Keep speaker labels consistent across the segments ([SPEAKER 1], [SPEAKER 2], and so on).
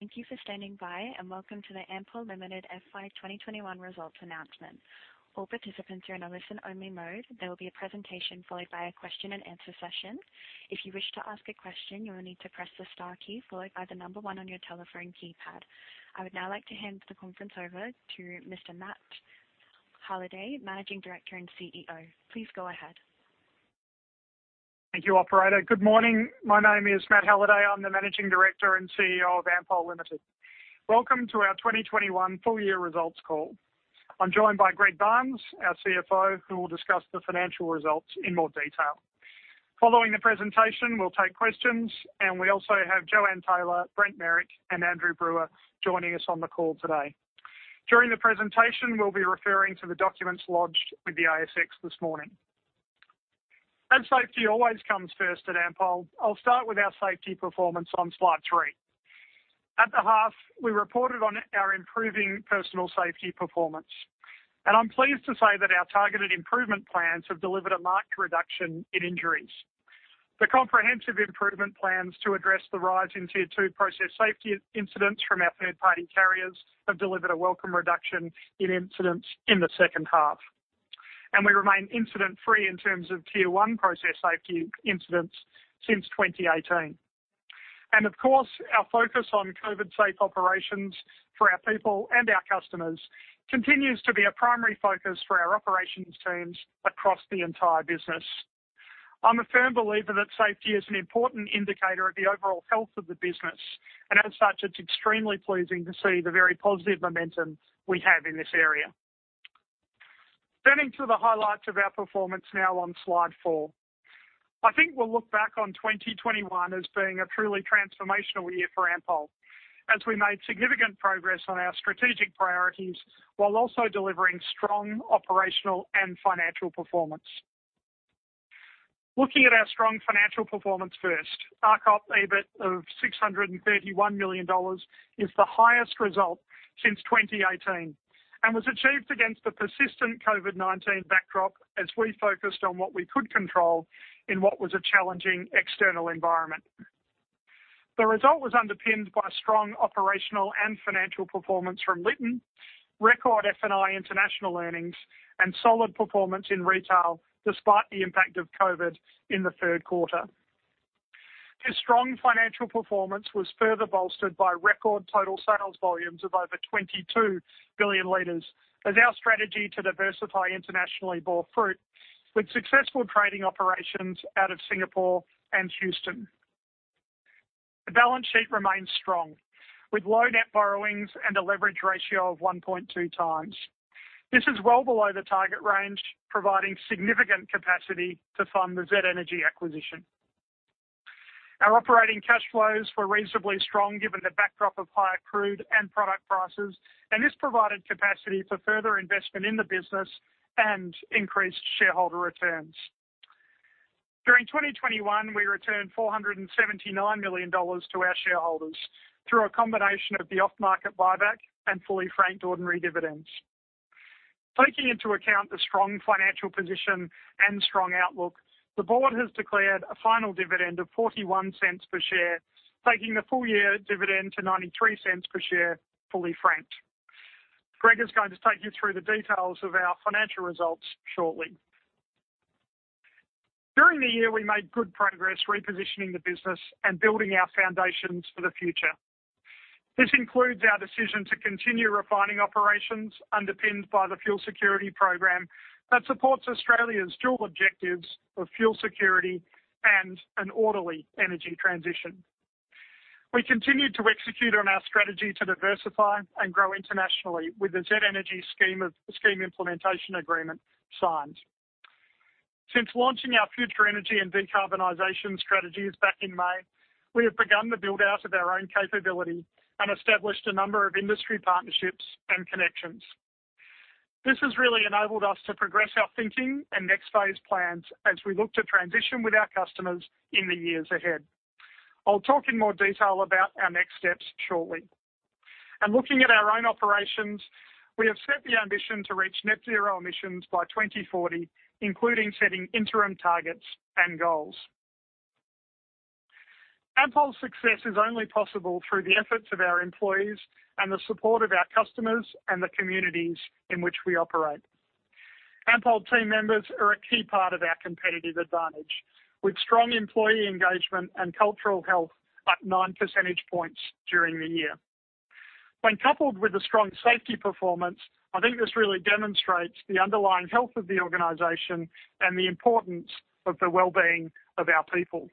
[SPEAKER 1] Thank you for standing by, and welcome to the Ampol Limited FY 2021 Results Announcement. All participants are in a listen-only mode. There will be a presentation followed by a question and answer session. If you wish to ask a question, you will need to press the star key followed by the number one on your telephone keypad. I would now like to hand the conference over to Mr. Matthew Halliday, Managing Director and CEO. Please go ahead.
[SPEAKER 2] Thank you, operator. Good morning. My name is Matt Halliday. I'm the Managing Director and CEO of Ampol Limited. Welcome to our 2021 full year results call. I'm joined by Greg Barnes, our CFO, who will discuss the financial results in more detail. Following the presentation, we'll take questions, and we also have Joanne Taylor, Brent Merrick, and Andrew Brewer joining us on the call today. During the presentation, we'll be referring to the documents lodged with the ASX this morning. Safety always comes first at Ampol. I'll start with our safety performance on slide three. At the half, we reported on our improving personal safety performance, and I'm pleased to say that our targeted improvement plans have delivered a marked reduction in injuries. The comprehensive improvement plans to address the rise in tier-two process safety incidents from our third-party carriers have delivered a welcome reduction in incidents in the second half. We remain incident-free in terms of tier-one process safety incidents since 2018. Of course, our focus on COVID safe operations for our people and our customers continues to be a primary focus for our operations teams across the entire business. I'm a firm believer that safety is an important indicator of the overall health of the business, and as such, it's extremely pleasing to see the very positive momentum we have in this area. Turning to the highlights of our performance now on slide four. I think we'll look back on 2021 as being a truly transformational year for Ampol as we made significant progress on our strategic priorities while also delivering strong operational and financial performance. Looking at our strong financial performance first. ARCOP EBIT of 631 million dollars is the highest result since 2018 and was achieved against the persistent COVID-19 backdrop as we focused on what we could control in what was a challenging external environment. The result was underpinned by strong operational and financial performance from Lytton, record F&I international earnings, and solid performance in retail despite the impact of COVID in the third quarter. This strong financial performance was further bolstered by record total sales volumes of over 22 billion liters as our strategy to diversify internationally bore fruit with successful trading operations out of Singapore and Houston. The balance sheet remains strong, with low net borrowings and a leverage ratio of 1.2x. This is well below the target range, providing significant capacity to fund the Z Energy acquisition. Our operating cash flows were reasonably strong given the backdrop of higher crude and product prices, and this provided capacity for further investment in the business and increased shareholder returns. During 2021, we returned 479 million dollars to our shareholders through a combination of the off-market buyback and fully franked ordinary dividends. Taking into account the strong financial position and strong outlook, the board has declared a final dividend of 0.41 per share, taking the full year dividend to 0.93 per share, fully franked. Greg is going to take you through the details of our financial results shortly. During the year, we made good progress repositioning the business and building our foundations for the future. This includes our decision to continue refining operations underpinned by the Fuel Security Program that supports Australia's dual objectives of fuel security and an orderly energy transition. We continued to execute on our strategy to diversify and grow internationally with the Z Energy scheme implementation agreement signed. Since launching our future energy and decarbonization strategies back in May, we have begun the build-out of our own capability and established a number of industry partnerships and connections. This has really enabled us to progress our thinking and next phase plans as we look to transition with our customers in the years ahead. I'll talk in more detail about our next steps shortly. Looking at our own operations, we have set the ambition to reach net zero emissions by 2040, including setting interim targets and goals. Ampol's success is only possible through the efforts of our employees and the support of our customers and the communities in which we operate. Ampol team members are a key part of our competitive advantage. With strong employee engagement and cultural health up nine percentage points during the year. When coupled with a strong safety performance, I think this really demonstrates the underlying health of the organization and the importance of the well-being of our people.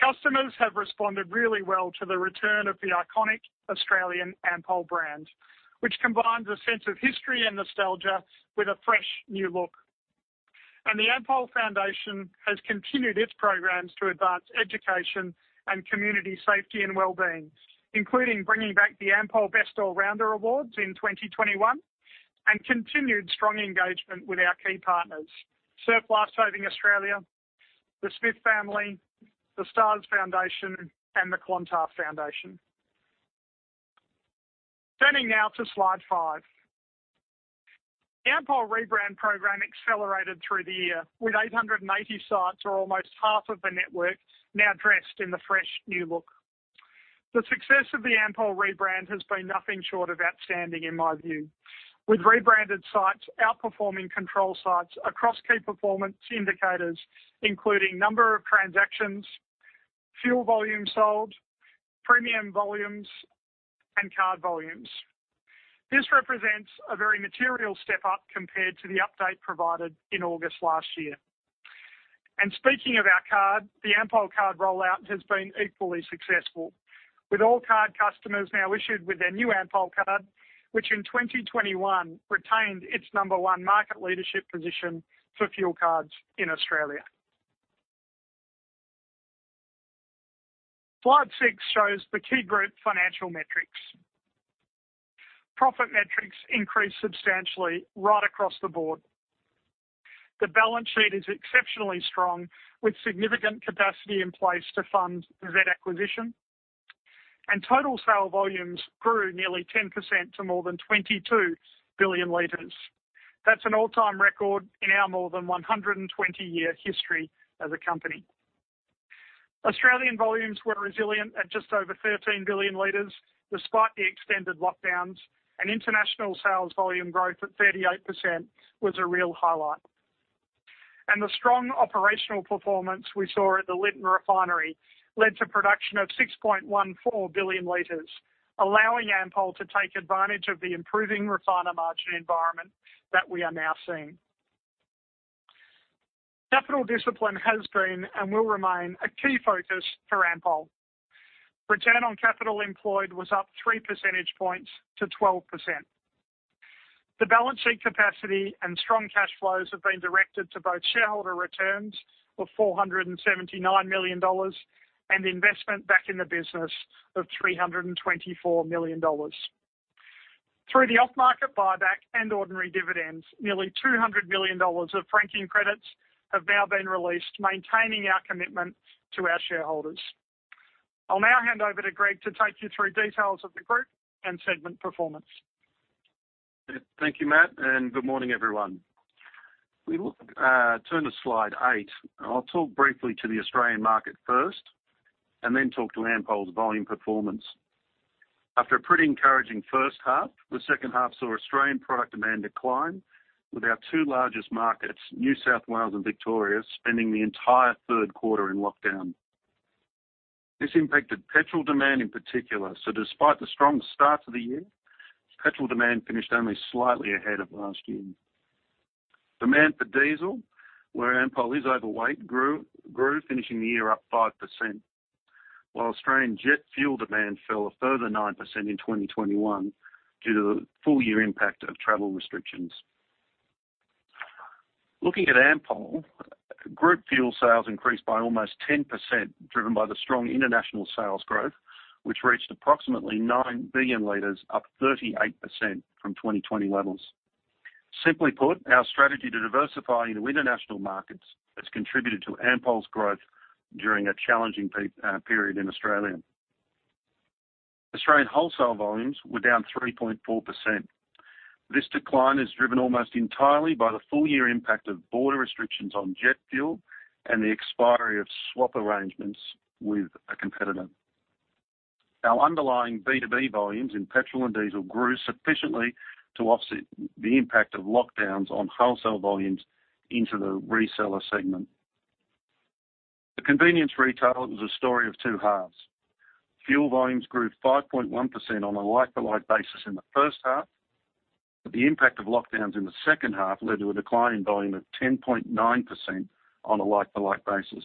[SPEAKER 2] Customers have responded really well to the return of the iconic Australian Ampol brand, which combines a sense of history and nostalgia with a fresh new look. The Ampol Foundation has continued its programs to advance education and community safety and well-being, including bringing back the Ampol Best All Rounder Awards in 2021 and continued strong engagement with our key partners, Surf Life Saving Australia, The Smith Family, the Stars Foundation, and the Qantas Foundation. Turning now to slide five. The Ampol rebrand program accelerated through the year, with 880 sites or almost 1/2 of the network now dressed in the fresh new look. The success of the Ampol rebrand has been nothing short of outstanding in my view, with rebranded sites outperforming control sites across key performance indicators, including number of transactions, fuel volumes sold, premium volumes, and card volumes. This represents a very material step up compared to the update provided in August last year. Speaking of our card, the Ampol card rollout has been equally successful, with all card customers now issued with their new Ampol card, which in 2021 retained its number one market leadership position for fuel cards in Australia. Slide six shows the key group financial metrics. Profit metrics increased substantially right across the board. The balance sheet is exceptionally strong, with significant capacity in place to fund Z Energy acquisition. Total sales volumes grew nearly 10% to more than 22 billion liters. That's an all-time record in our more than 120-year history as a company. Australian volumes were resilient at just over 13 billion liters, despite the extended lockdowns, and international sales volume growth at 38% was a real highlight. The strong operational performance we saw at the Lytton Refinery led to production of 6.14 billion liters, allowing Ampol to take advantage of the improving refiner margin environment that we are now seeing. Capital discipline has been, and will remain, a key focus for Ampol. Return on capital employed was up three percentage points to 12%. The balance sheet capacity and strong cash flows have been directed to both shareholder returns of 479 million dollars and investment back in the business of 324 million dollars. Through the off-market buyback and ordinary dividends, nearly 200 million dollars of franking credits have now been released, maintaining our commitment to our shareholders. I'll now hand over to Greg to take you through details of the group and segment performance.
[SPEAKER 3] Thank you, Matt, and good morning, everyone. If we look, turn to slide eight. I'll talk briefly to the Australian market first, and then talk to Ampol's volume performance. After a pretty encouraging first half, the second half saw Australian product demand decline with our two largest markets, New South Wales and Victoria, spending the entire third quarter in lockdown. This impacted petrol demand in particular. Despite the strong start to the year, petrol demand finished only slightly ahead of last year. Demand for diesel, where Ampol is overweight, grew, finishing the year up 5%. While Australian jet fuel demand fell a further 9% in 2021 due to the full year impact of travel restrictions. Looking at Ampol, group fuel sales increased by almost 10%, driven by the strong international sales growth, which reached approximately 9 billion liters, up 38% from 2020 levels. Simply put, our strategy to diversify into international markets has contributed to Ampol's growth during a challenging period in Australia. Australian wholesale volumes were down 3.4%. This decline is driven almost entirely by the full year impact of border restrictions on jet fuel and the expiry of swap arrangements with a competitor. Our underlying B2B volumes in petrol and diesel grew sufficiently to offset the impact of lockdowns on wholesale volumes into the reseller segment. The convenience retail was a story of two halves. Fuel volumes grew 5.1% on a like-for-like basis in the first half, but the impact of lockdowns in the second half led to a decline in volume of 10.9% on a like-for-like basis.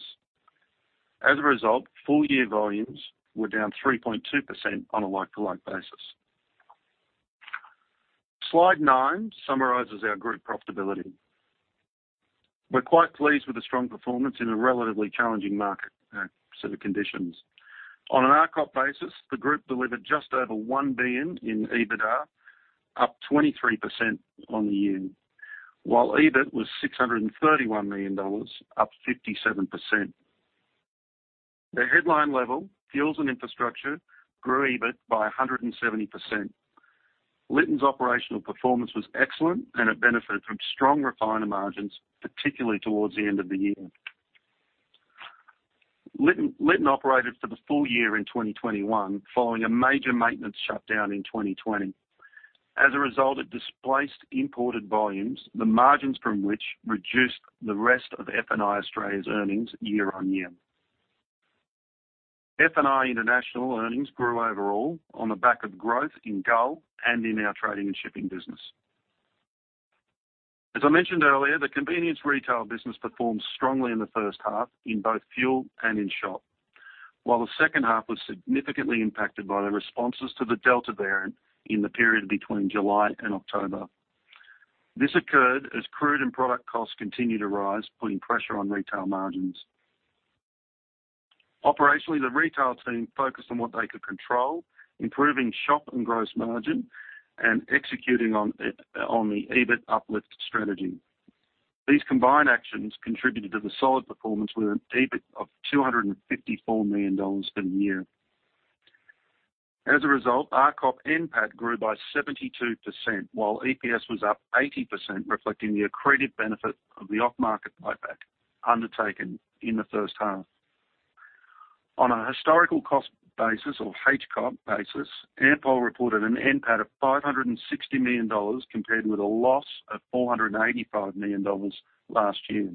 [SPEAKER 3] As a result, full year volumes were down 3.2% on a like-for-like basis. Slide nine summarizes our group profitability. We're quite pleased with the strong performance in a relatively challenging market, set of conditions. On an ARCOP basis, the group delivered just over 1 billion in EBITDA, up 23% on the year, while EBIT was AUD 631 million, up 57%. The headline level, Fuels and Infrastructure, grew EBIT by 170%. Lytton's operational performance was excellent, and it benefited from strong refiner margins, particularly towards the end of the year. Lytton operated for the full year in 2021, following a major maintenance shutdown in 2020. As a result, it displaced imported volumes, the margins from which reduced the rest of F&I Australia's earnings year on year. F&I International earnings grew overall on the back of growth in Gull and in our trading and shipping business. As I mentioned earlier, the convenience retail business performed strongly in the first half in both fuel and in shop. The second half was significantly impacted by the responses to the Delta variant in the period between July and October. This occurred as crude and product costs continued to rise, putting pressure on retail margins. Operationally, the retail team focused on what they could control, improving shop and gross margin and executing on the EBIT uplift strategy. These combined actions contributed to the solid performance with an EBIT of 254 million dollars for the year. As a result, ARCOP NPAT grew by 72%, while EPS was up 80%, reflecting the accretive benefit of the off-market buyback undertaken in the first half. On a historical cost basis or HCOB basis, Ampol reported an NPAT of 560 million dollars compared with a loss of 485 million dollars last year.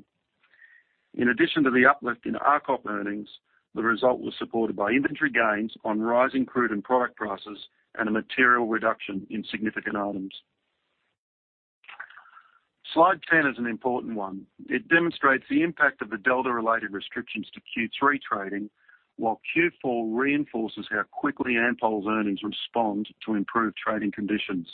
[SPEAKER 3] In addition to the uplift in ARCOP earnings, the result was supported by inventory gains on rising crude and product prices and a material reduction in significant items. Slide 10 is an important one. It demonstrates the impact of the Delta-related restrictions to Q3 trading, while Q4 reinforces how quickly Ampol's earnings respond to improved trading conditions.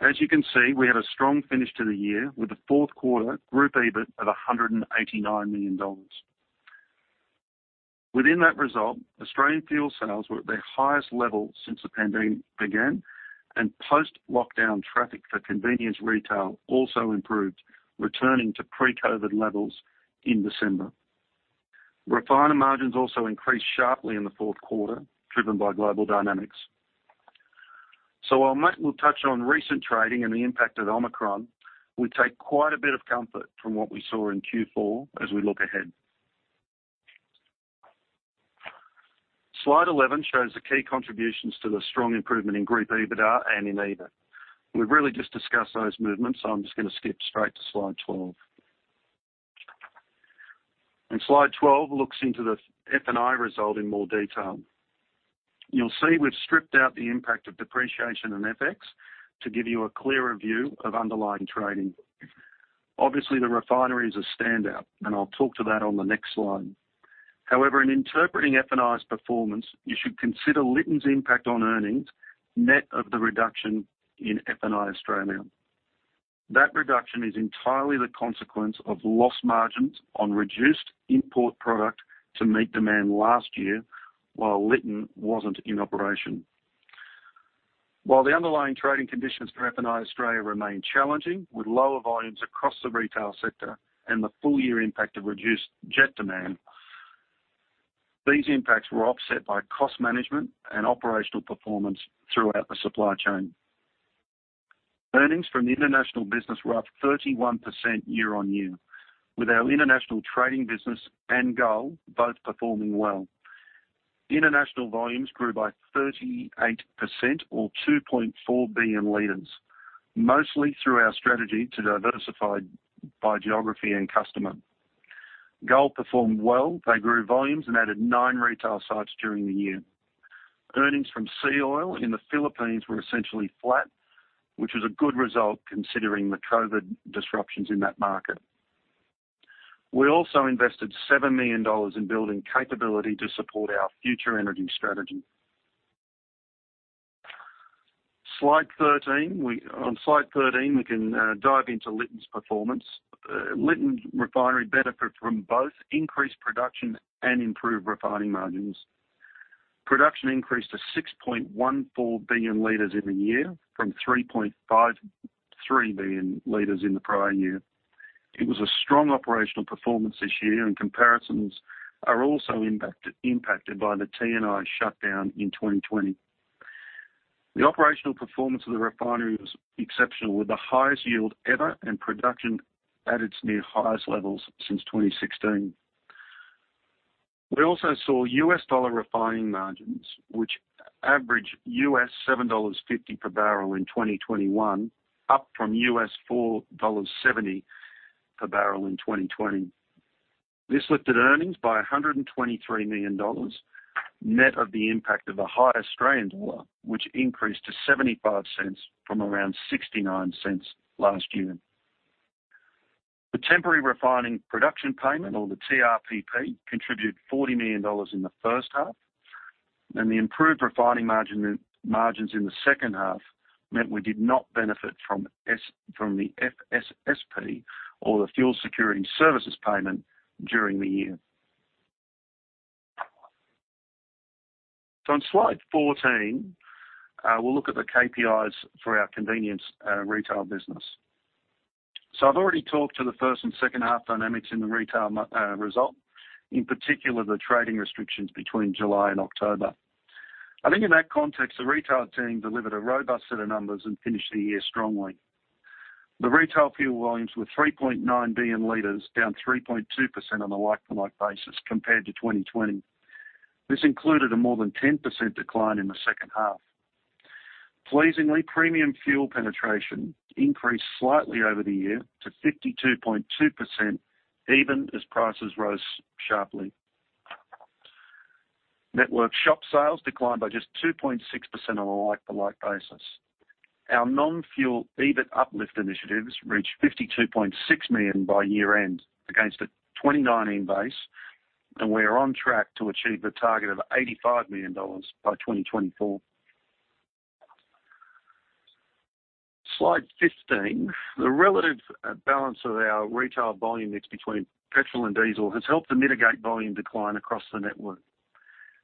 [SPEAKER 3] As you can see, we had a strong finish to the year with a fourth quarter group EBIT of 189 million dollars. Within that result, Australian fuel sales were at their highest level since the pandemic began, and post-lockdown traffic for convenience retail also improved, returning to pre-COVID levels in December. Refining margins also increased sharply in the fourth quarter, driven by global dynamics. While Matt will touch on recent trading and the impact of Omicron, we take quite a bit of comfort from what we saw in Q4 as we look ahead. Slide 11 shows the key contributions to the strong improvement in group EBITDA and in EBIT. We've really just discussed those movements, so I'm just gonna skip straight to slide 12. Slide 12 looks into the F&I result in more detail. You'll see we've stripped out the impact of depreciation and FX to give you a clearer view of underlying trading. Obviously, the refinery is a standout, and I'll talk to that on the next slide. However, in interpreting F&I's performance, you should consider Lytton's impact on earnings net of the reduction in F&I Australia. That reduction is entirely the consequence of lost margins on reduced import product to meet demand last year while Lytton wasn't in operation. While the underlying trading conditions for F&I Australia remain challenging, with lower volumes across the retail sector and the full year impact of reduced jet demand, these impacts were offset by cost management and operational performance throughout the supply chain. Earnings from the international business were up 31% year-on-year, with our international trading business and GOAL both performing well. International volumes grew by 38% or 2.4 billion liters, mostly through our strategy to diversify by geography and customer. GOAL performed well. They grew volumes and added nine retail sites during the year. Earnings from SEAOIL in the Philippines were essentially flat, which was a good result considering the COVID disruptions in that market. We also invested 7 million dollars in building capability to support our future energy strategy. Slide 13. On slide 13, we can dive into Lytton's performance. Lytton Refinery benefited from both increased production and improved refining margins. Production increased to 6.14 billion liters in the year from 3.53 billion liters in the prior year. It was a strong operational performance this year, and comparisons are also impacted by the T&I shutdown in 2020. The operational performance of the refinery was exceptional, with the highest yield ever and production at its near highest levels since 2016. We also saw US dollar refining margins, which averaged $7.50 per barrel in 2021, up from $4.70 per barrel in 2020. This lifted earnings by 123 million dollars net of the impact of the high Australian dollar, which increased to $0.75 from around $0.69 last year. The temporary refining production payment or the TRPP contributed 40 million dollars in the first half, and the improved refining margins in the second half meant we did not benefit from the FSSP or the Fuel Security Services Payment during the year. On slide 14, we'll look at the KPIs for our convenience retail business. I've already talked to the first and second half dynamics in the retail result, in particular, the trading restrictions between July and October. I think in that context, the retail team delivered a robust set of numbers and finished the year strongly. The retail fuel volumes were 3.9 billion liters, down 3.2% on a like-for-like basis compared to 2020. This included a more than 10% decline in the second half. Pleasingly, premium fuel penetration increased slightly over the year to 52.2%, even as prices rose sharply. Network shop sales declined by just 2.6% on a like-for-like basis. Our non-fuel EBIT uplift initiatives reached 52.6 million by year-end against a 29 base, and we are on track to achieve the target of 85 million dollars by 2024. Slide 15, the relative balance of our retail volume mix between petrol and diesel has helped to mitigate volume decline across the network.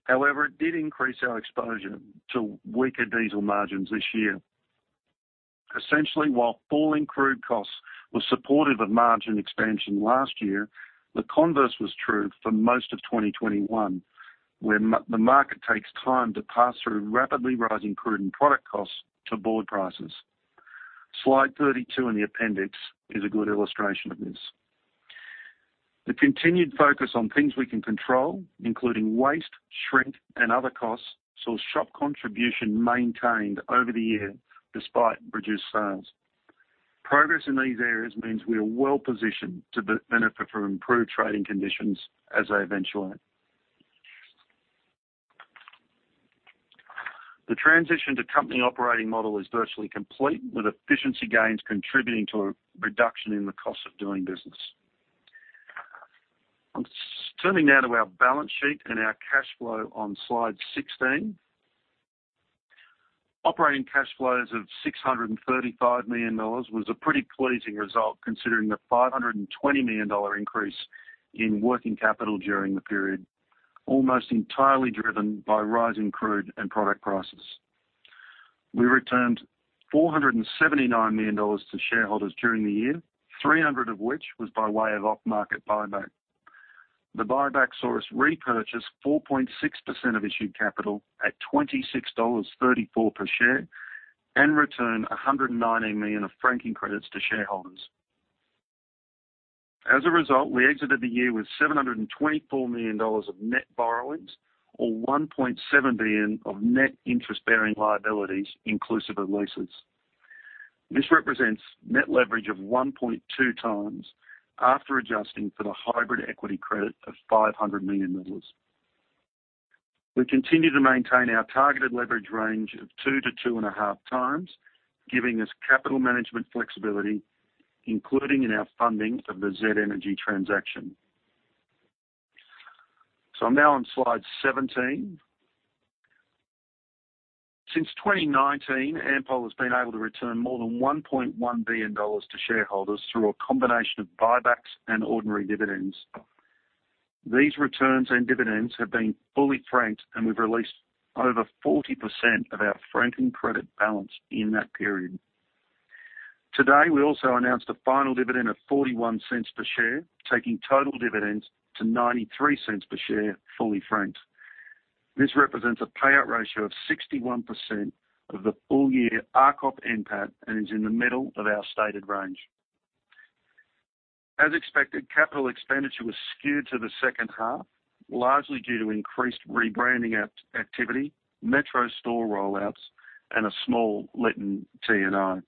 [SPEAKER 3] However, it did increase our exposure to weaker diesel margins this year. Essentially, while falling crude costs were supportive of margin expansion last year, the converse was true for most of 2021, where the market takes time to pass through rapidly rising crude and product costs to pump prices. Slide 32 in the appendix is a good illustration of this. The continued focus on things we can control, including waste, shrink, and other costs, saw shop contribution maintained over the year despite reduced sales. Progress in these areas means we are well-positioned to benefit from improved trading conditions as they eventuate. The transition to company operating model is virtually complete, with efficiency gains contributing to a reduction in the cost of doing business. I'm turning now to our balance sheet and our cash flow on slide 16. Operating cash flows of 635 million dollars was a pretty pleasing result, considering the 520 million dollar increase in working capital during the period, almost entirely driven by rising crude and product prices. We returned 479 million dollars to shareholders during the year, 300 million of which was by way of off-market buyback. The buyback saw us repurchase 4.6% of issued capital at 26.34 dollars per share and return 190 million of franking credits to shareholders. As a result, we exited the year with 724 million dollars of net borrowings or 1.7 billion of net interest-bearing liabilities inclusive of leases. This represents net leverage of 1.2x after adjusting for the hybrid equity credit of 500 million dollars. We continue to maintain our targeted leverage range of 2-2.5x, giving us capital management flexibility, including in our funding of the Z Energy transaction. I'm now on slide 17. Since 2019, Ampol has been able to return more than 1.1 billion dollars to shareholders through a combination of buybacks and ordinary dividends. These returns and dividends have been fully franked, and we've released over 40% of our franking credit balance in that period. Today, we also announced a final dividend of 0.41 per share, taking total dividends to 0.93 per share, fully franked. This represents a payout ratio of 61% of the full year ARCOP NPAT and is in the middle of our stated range. As expected, capital expenditure was skewed to the second half, largely due to increased rebranding activity, Metro store rollouts, and a small Lytton T&I.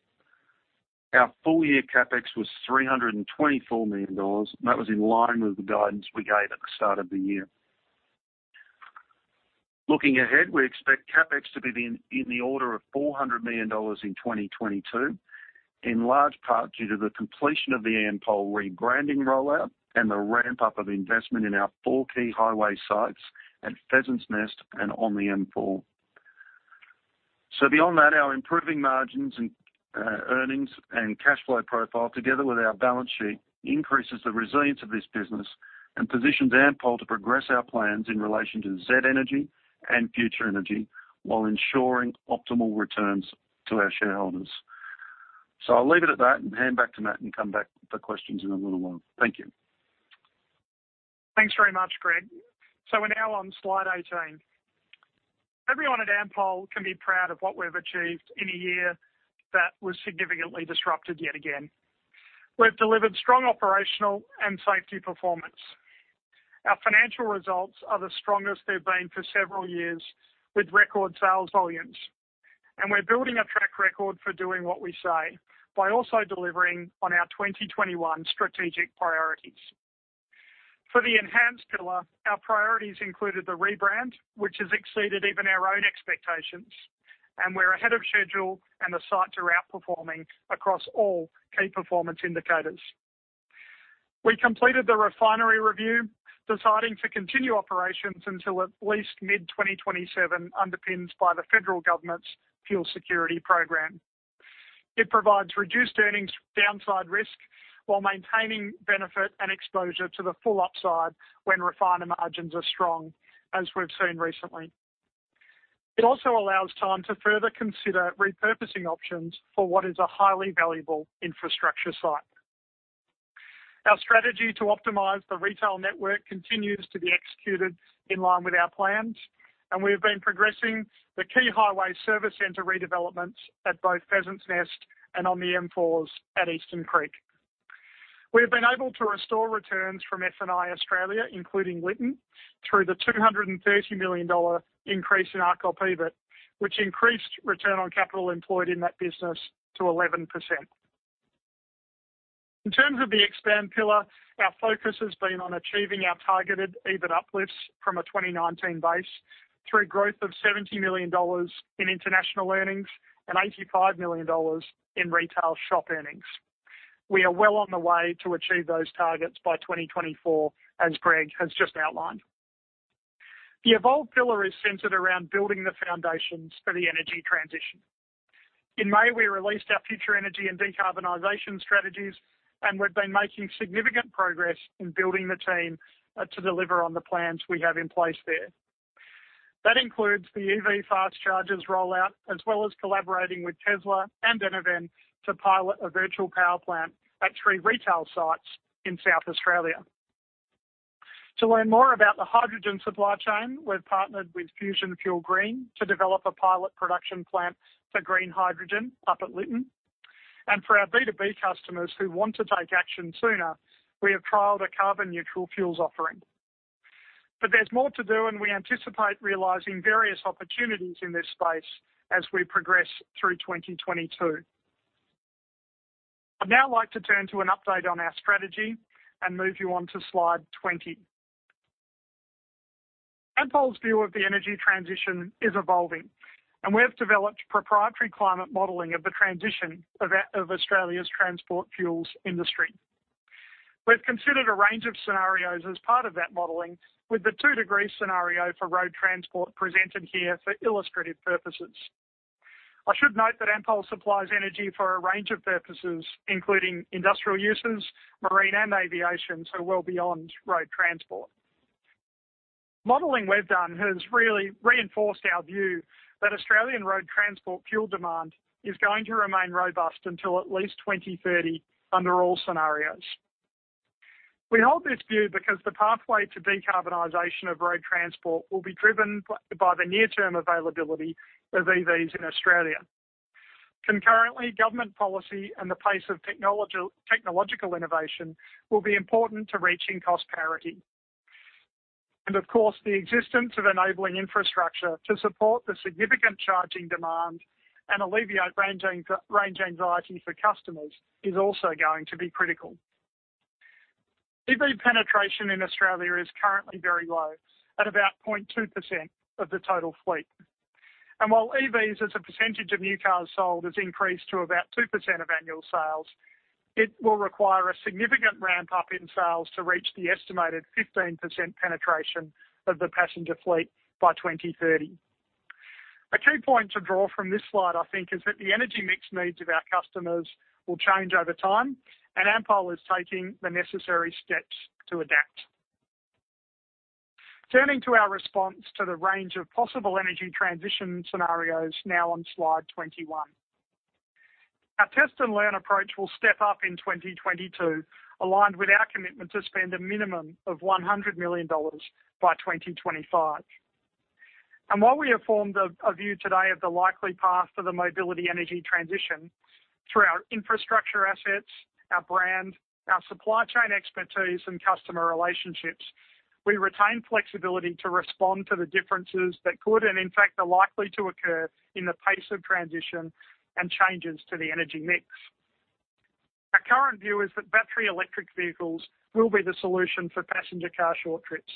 [SPEAKER 3] Our full-year CapEx was 324 million dollars, and that was in line with the guidance we gave at the start of the year. Looking ahead, we expect CapEx to be in the order of 400 million dollars in 2022, in large part due to the completion of the Ampol rebranding rollout and the ramp-up of investment in our four key highway sites at Pheasant's Nest and on the M4. Beyond that, our improving margins and earnings and cash flow profile, together with our balance sheet, increases the resilience of this business and positions Ampol to progress our plans in relation to Z Energy and Future Energy while ensuring optimal returns to our shareholders. I'll leave it at that and hand back to Matt and come back with the questions in a little while. Thank you.
[SPEAKER 2] Thanks very much, Greg. We're now on slide 18. Everyone at Ampol can be proud of what we've achieved in a year that was significantly disrupted yet again. We've delivered strong operational and safety performance. Our financial results are the strongest they've been for several years, with record sales volumes. We're building a track record for doing what we say by also delivering on our 2021 strategic priorities. For the Enhance pillar, our priorities included the rebrand, which has exceeded even our own expectations, and we're ahead of schedule, and the sites are outperforming across all key performance indicators. We completed the refinery review, deciding to continue operations until at least mid-2027, underpinned by the federal government's fuel security program. It provides reduced earnings downside risk while maintaining benefit and exposure to the full upside when refiner margins are strong, as we've seen recently. It also allows time to further consider repurposing options for what is a highly valuable infrastructure site. Our strategy to optimize the retail network continues to be executed in line with our plans, and we have been progressing the key highway service center redevelopments at both Pheasant's Nest and on the M4's at Eastern Creek. We have been able to restore returns from F&I Australia, including Lytton, through the 230 million dollar increase in ARCOP EBIT, which increased return on capital employed in that business to 11%. In terms of the Expand pillar, our focus has been on achieving our targeted EBIT uplifts from a 2019 base through growth of 70 million dollars in international earnings and 85 million dollars in retail shop earnings. We are well on the way to achieve those targets by 2024, as Greg has just outlined. The Evolve pillar is centered around building the foundations for the energy transition. In May, we released our future energy and decarbonization strategies, and we've been making significant progress in building the team to deliver on the plans we have in place there. That includes the EV fast charges rollout, as well as collaborating with Tesla and Enerven to pilot a virtual power plant at three retail sites in South Australia. To learn more about the hydrogen supply chain, we've partnered with Fusion Fuel Green to develop a pilot production plant for green hydrogen up at Lytton. For our B2B customers who want to take action sooner, we have trialed a carbon-neutral fuels offering. There's more to do, and we anticipate realizing various opportunities in this space as we progress through 2022. I'd now like to turn to an update on our strategy and move you on to slide 20. Ampol's view of the energy transition is evolving, and we have developed proprietary climate modeling of the transition of Australia's transport fuels industry. We've considered a range of scenarios as part of that modeling, with the two-degree scenario for road transport presented here for illustrative purposes. I should note that Ampol supplies energy for a range of purposes, including industrial uses, marine, and aviation, so well beyond road transport. Modeling we've done has really reinforced our view that Australian road transport fuel demand is going to remain robust until at least 2030 under all scenarios. We hold this view because the pathway to decarbonization of road transport will be driven by the near-term availability of EVs in Australia. Concurrently, government policy and the pace of technological innovation will be important to reaching cost parity. Of course, the existence of enabling infrastructure to support the significant charging demand and alleviate range anxiety for customers is also going to be critical. EV penetration in Australia is currently very low at about 0.2% of the total fleet. While EVs, as a percentage of new cars sold, has increased to about 2% of annual sales, it will require a significant ramp up in sales to reach the estimated 15% penetration of the passenger fleet by 2030. A key point to draw from this slide, I think, is that the energy mix needs of our customers will change over time, and Ampol is taking the necessary steps to adapt. Turning to our response to the range of possible energy transition scenarios now on slide 21. Our test and learn approach will step up in 2022, aligned with our commitment to spend a minimum of 100 million dollars by 2025. While we have formed a view today of the likely path of the mobility energy transition through our infrastructure assets, our brand, our supply chain expertise, and customer relationships, we retain flexibility to respond to the differences that could, and in fact are likely to occur in the pace of transition and changes to the energy mix. Our current view is that battery electric vehicles will be the solution for passenger car short trips.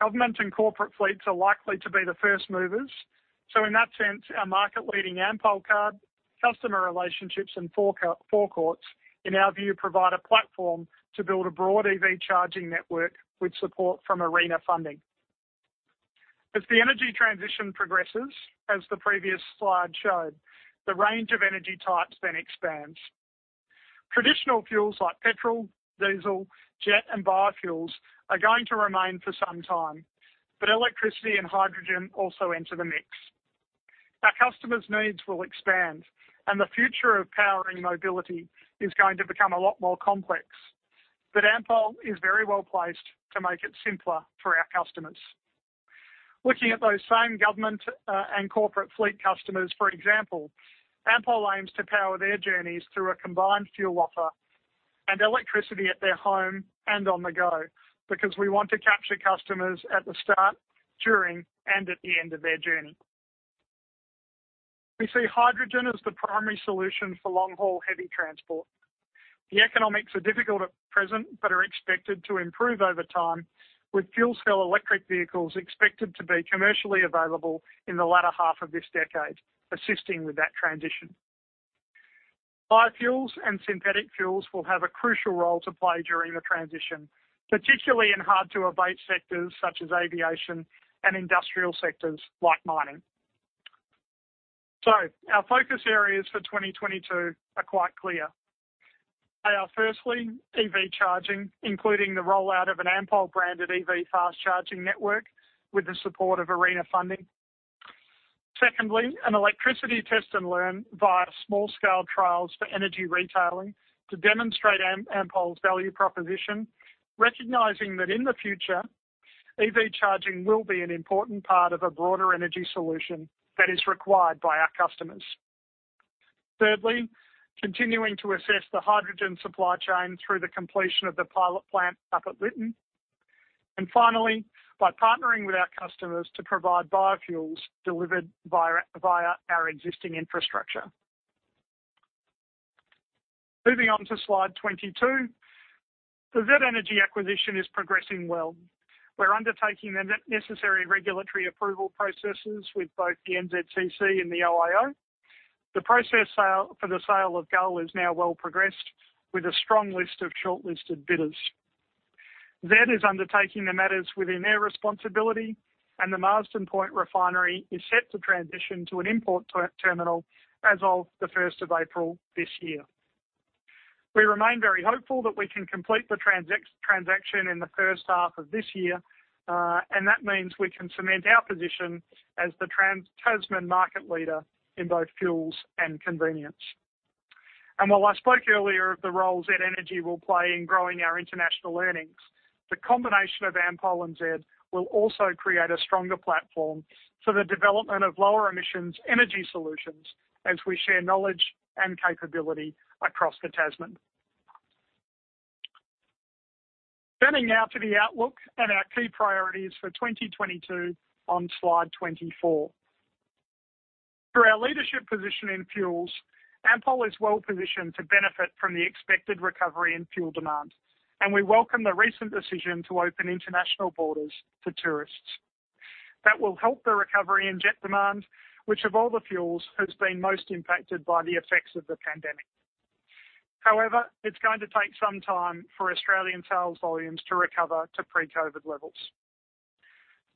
[SPEAKER 2] Government and corporate fleets are likely to be the first movers, so in that sense, our market-leading AmpolCard, customer relationships, and forecourts, in our view, provide a platform to build a broad EV charging network with support from ARENA funding. As the energy transition progresses, as the previous slide showed, the range of energy types then expands. Traditional fuels like petrol, diesel, jet, and biofuels are going to remain for some time, but electricity and hydrogen also enter the mix. Our customers' needs will expand, and the future of power and mobility is going to become a lot more complex. Ampol is very well placed to make it simpler for our customers. Looking at those same government and corporate fleet customers, for example, Ampol aims to power their journeys through a combined fuel offer and electricity at their home and on the go, because we want to capture customers at the start, during, and at the end of their journey. We see hydrogen as the primary solution for long-haul heavy transport. The economics are difficult at present but are expected to improve over time, with fuel cell electric vehicles expected to be commercially available in the latter half of this decade, assisting with that transition. Biofuels and synthetic fuels will have a crucial role to play during the transition, particularly in hard-to-abate sectors such as aviation and industrial sectors like mining. Our focus areas for 2022 are quite clear. They are firstly, EV charging, including the rollout of an Ampol-branded EV fast charging network with the support of ARENA funding. Secondly, an electricity test and learn via small-scale trials for energy retailing to demonstrate Ampol's value proposition, recognizing that in the future, EV charging will be an important part of a broader energy solution that is required by our customers. Thirdly, continuing to assess the hydrogen supply chain through the completion of the pilot plant up at Lytton. Finally, by partnering with our customers to provide biofuels delivered via our existing infrastructure. Moving on to slide 22. The Z Energy acquisition is progressing well. We're undertaking the necessary regulatory approval processes with both the NZCC and the OIO. The process for the sale of Gull is now well progressed with a strong list of shortlisted bidders. Z is undertaking the matters within their responsibility, and the Marsden Point refinery is set to transition to an import terminal as of the first of April this year. We remain very hopeful that we can complete the transaction in the first half of this year, and that means we can cement our position as the Trans-Tasman market leader in both fuels and convenience. While I spoke earlier of the role Z Energy will play in growing our international earnings, the combination of Ampol and Z will also create a stronger platform for the development of lower emissions energy solutions as we share knowledge and capability across the Tasman. Turning now to the outlook and our key priorities for 2022 on slide 24. Through our leadership position in fuels, Ampol is well positioned to benefit from the expected recovery in fuel demand, and we welcome the recent decision to open international borders to tourists. That will help the recovery in jet demand, which of all the fuels has been most impacted by the effects of the pandemic. However, it's going to take some time for Australian sales volumes to recover to pre-COVID levels.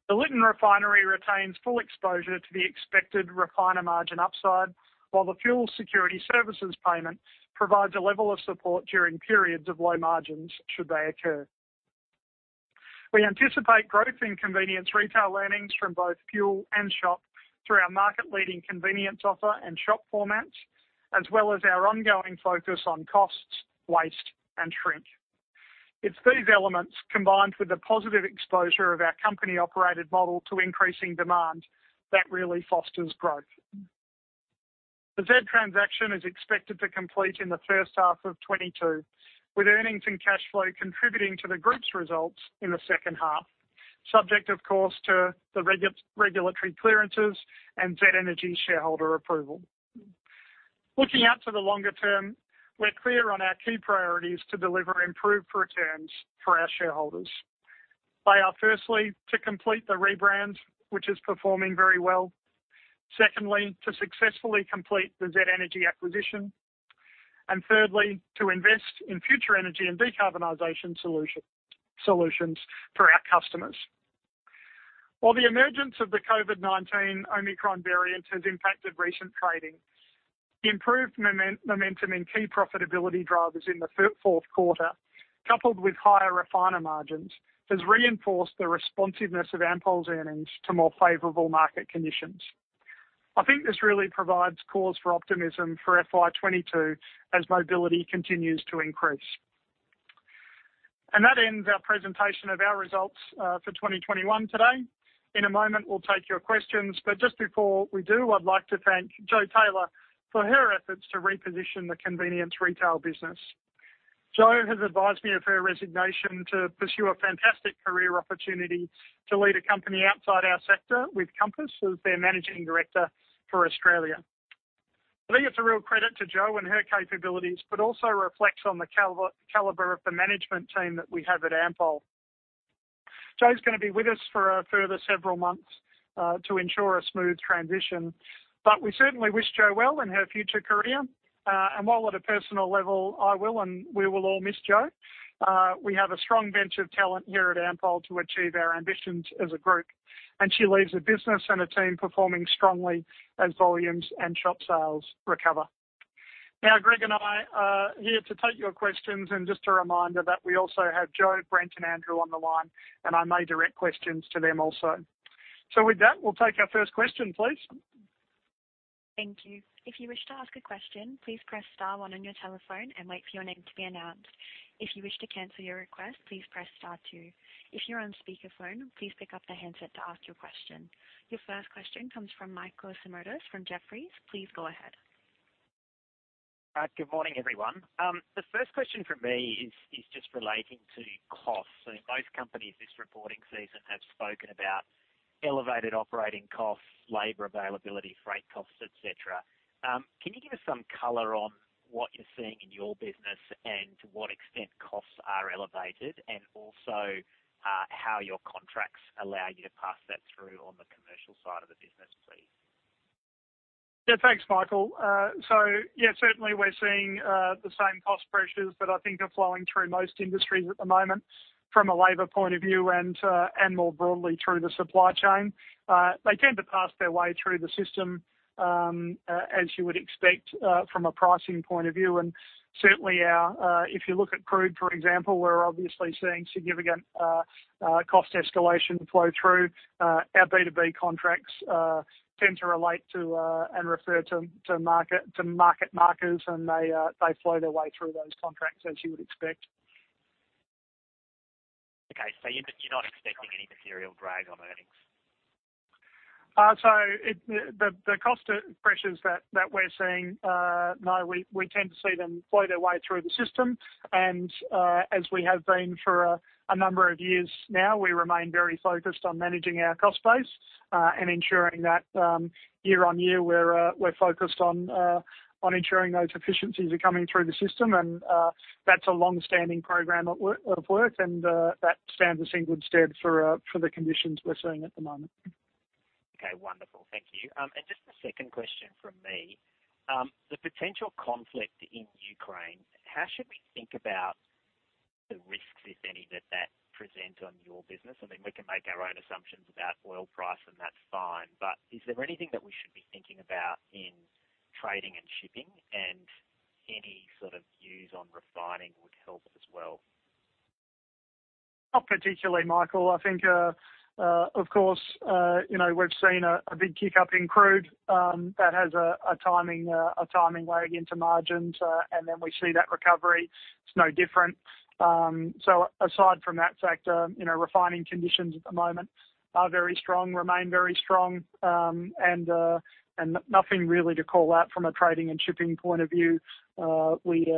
[SPEAKER 2] The Lytton refinery retains full exposure to the expected refiner margin upside, while the Fuel Security Services Payment provides a level of support during periods of low margins should they occur. We anticipate growth in convenience retail earnings from both fuel and shop through our market-leading convenience offer and shop formats, as well as our ongoing focus on costs, waste, and shrink. It's these elements, combined with the positive exposure of our company-operated model to increasing demand, that really fosters growth. The Z transaction is expected to complete in the first half of 2022, with earnings and cash flow contributing to the group's results in the second half, subject of course to the regulatory clearances and Z Energy shareholder approval. Looking out to the longer term, we're clear on our key priorities to deliver improved returns for our shareholders. They are firstly to complete the rebrand, which is performing very well. Secondly, to successfully complete the Z Energy acquisition. Thirdly, to invest in future energy and decarbonization solutions for our customers. While the emergence of the COVID-19 Omicron variant has impacted recent trading, the improved momentum in key profitability drivers in the fourth quarter, coupled with higher refiner margins, has reinforced the responsiveness of Ampol's earnings to more favorable market conditions. I think this really provides cause for optimism for FY 2022 as mobility continues to increase. That ends our presentation of our results for 2021 today. In a moment, we'll take your questions, but just before we do, I'd like to thank Joanne Taylor for her efforts to reposition the convenience retail business. Jo has advised me of her resignation to pursue a fantastic career opportunity to lead a company outside our sector with Compass as their Managing Director for Australia. I think it's a real credit to Jo and her capabilities, but also reflects on the caliber of the management team that we have at Ampol. Jo's gonna be with us for a further several months to ensure a smooth transition. We certainly wish Jo well in her future career, and while at a personal level, I will and we will all miss Jo, we have a strong bench of talent here at Ampol to achieve our ambitions as a group, and she leaves the business and a team performing strongly as volumes and shop sales recover. Now, Greg and I are here to take your questions, and just a reminder that we also have Jo, Brent, and Andrew on the line, and I may direct questions to them also. With that, we'll take our first question, please.
[SPEAKER 1] Your first question comes from Michael Simotas from Jefferies. Please go ahead.
[SPEAKER 4] All right. Good morning, everyone. The first question from me is just relating to costs. Most companies this reporting season have spoken about elevated operating costs, labor availability, freight costs, et cetera. Can you give us some color on what you're seeing in your business and to what extent costs are elevated, and also, how your contracts allow you to pass that through on the commercial side of the business, please?
[SPEAKER 2] Yeah, thanks, Michael. Yeah, certainly we're seeing the same cost pressures that I think are flowing through most industries at the moment from a labor point of view and more broadly through the supply chain. They tend to pass their way through the system as you would expect from a pricing point of view. Certainly, if you look at crude, for example, we're obviously seeing significant cost escalation flow through. Our B2B contracts tend to relate to and refer to market markers, and they flow their way through those contracts as you would expect.
[SPEAKER 4] Okay. You're not expecting any material drag on earnings?
[SPEAKER 2] The cost pressures that we're seeing, we tend to see them flow their way through the system. As we have been for a number of years now, we remain very focused on managing our cost base and ensuring that year-on-year, we're focused on ensuring those efficiencies are coming through the system. That's a long-standing program of work and that stands us in good stead for the conditions we're seeing at the moment.
[SPEAKER 4] Okay, wonderful. Thank you. Just a second question from me. The potential conflict in Ukraine, how should we think about the risks, if any, that presents on your business? I mean, we can make our own assumptions about oil price, and that's fine. Is there anything that we should be thinking about in trading and shipping, and any sort of views on refining would help as well.
[SPEAKER 2] Not particularly, Michael. I think, of course, you know, we've seen a big kick up in crude that has a timing lag into margins, and then we see that recovery. It's no different. Aside from that factor, you know, refining conditions at the moment are very strong, remain very strong, and nothing really to call out from a trading and shipping point of view. We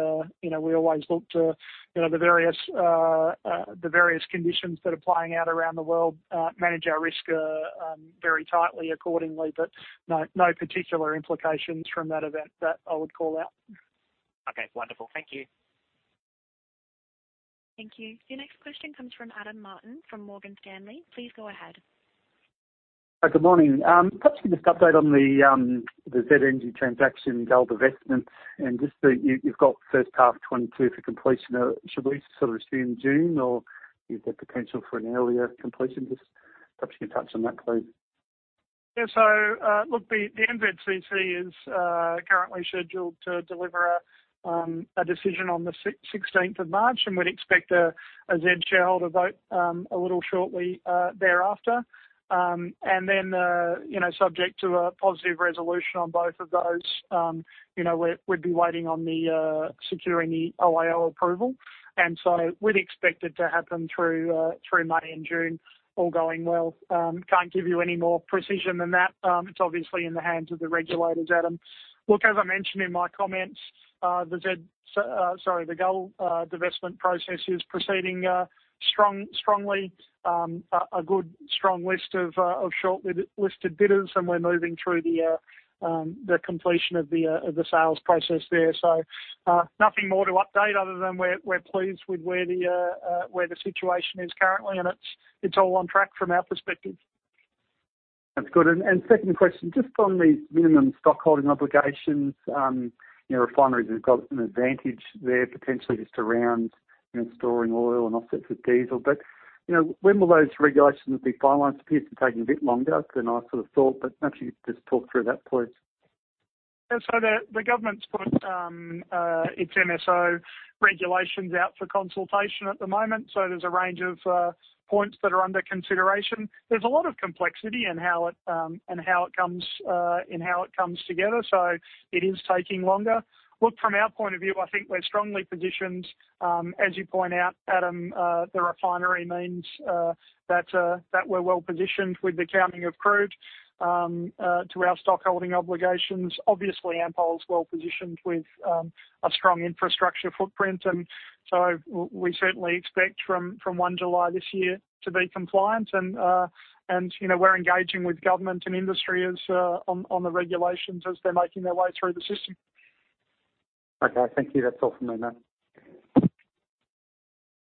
[SPEAKER 2] always look to, you know, the various conditions that are playing out around the world, manage our risk very tightly accordingly, but no particular implications from that event that I would call out.
[SPEAKER 4] Okay, wonderful. Thank you.
[SPEAKER 1] Thank you. Your next question comes from Adam Martin from Morgan Stanley. Please go ahead.
[SPEAKER 5] Good morning. Perhaps you can just update on the Z Energy transaction, Gull investment, and just the completion you've got first half 2022 for. Should we sort of assume June, or is there potential for an earlier completion? Just perhaps you can touch on that, please.
[SPEAKER 2] Yeah, look, the NZCC is currently scheduled to deliver a decision on the sixteenth of March, and we'd expect a Z shareholder vote a little shortly thereafter. Then, you know, subject to a positive resolution on both of those, you know, we'd be waiting on securing the OIO approval. We'd expect it to happen through May and June, all going well. Can't give you any more precision than that. It's obviously in the hands of the regulators, Adam. Look, as I mentioned in my comments, the Z... Sorry, the Gull divestment process is proceeding strongly with a good, strong list of shortlisted bidders, and we're moving through the completion of the sales process there. Nothing more to update other than we're pleased with where the situation is currently, and it's all on track from our perspective.
[SPEAKER 5] That's good. Second question, just on the minimum stock holding obligations, you know, refineries have got an advantage there potentially just around, you know, storing oil and offsets with diesel. You know, when will those regulations be finalized? It appears to be taking a bit longer than I sort of thought, but actually just talk through that, please.
[SPEAKER 2] Yeah, the government's put its MSO regulations out for consultation at the moment, so there's a range of points that are under consideration. There's a lot of complexity in how it comes together, so it is taking longer. Look, from our point of view, I think we're strongly positioned, as you point out, Adam, the refinery means that we're well positioned with the counting of crude to our stock holding obligations. Obviously, Ampol is well positioned with a strong infrastructure footprint. We certainly expect from 1 July this year to be compliant. You know, we're engaging with government and industry on the regulations as they're making their way through the system.
[SPEAKER 5] Okay. Thank you. That's all from me, Matt.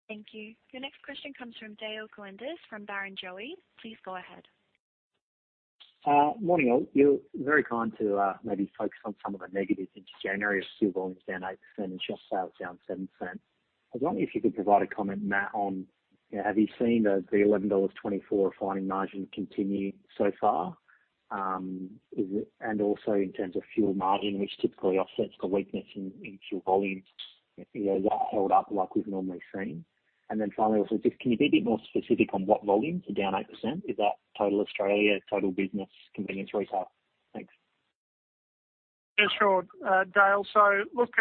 [SPEAKER 1] Thank you. Your next question comes from Dale Koenders from Barrenjoey. Please go ahead.
[SPEAKER 6] Morning all. You're very kind to maybe focus on some of the negatives into January. Fuel volumes down 8% and shop sales down 7%. I was wondering if you could provide a comment, Matt, on, you know, have you seen the $11.24 refining margin continue so far? Is it? And also in terms of fuel margin, which typically offsets the weakness in fuel volumes, you know, is that held up like we've normally seen? And then finally, also, just can you be a bit more specific on what volumes are down 8%? Is that total Australia, total business, convenience retail? Thanks.
[SPEAKER 2] Yeah, sure, Dale. Look,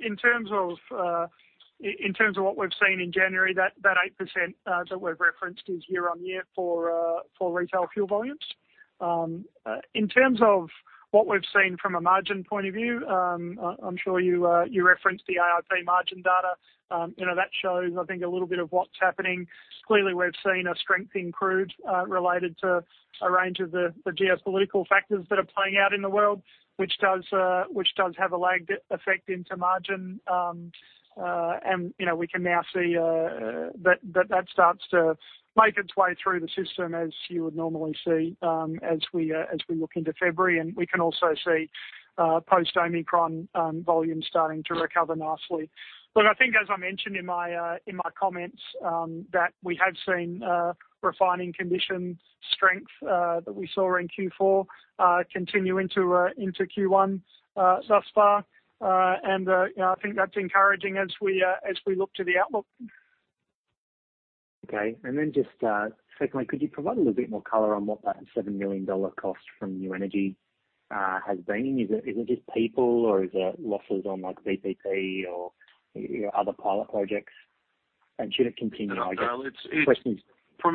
[SPEAKER 2] in terms of what we've seen in January, that 8% that we've referenced is year-on-year for retail fuel volumes. In terms of what we've seen from a margin point of view, I'm sure you referenced the AIP margin data. You know, that shows, I think, a little bit of what's happening. Clearly, we've seen a strength in crude related to a range of the geopolitical factors that are playing out in the world, which does have a lag effect into margin. You know, we can now see that starts to make its way through the system, as you would normally see, as we look into February. We can also see post Omicron volumes starting to recover nicely. Look, I think as I mentioned in my comments that we have seen refining conditions strengthen that we saw in Q4 continue into Q1 thus far. You know, I think that's encouraging as we look to the outlook.
[SPEAKER 6] Okay. Just secondly, could you provide a little bit more color on what that 7 million dollar cost from New Energy has been? Is it just people or is it losses on like VPP or, you know, other pilot projects? Should it continue, I guess?
[SPEAKER 3] No, Dale. It's-
[SPEAKER 6] Questions.
[SPEAKER 3] Oh,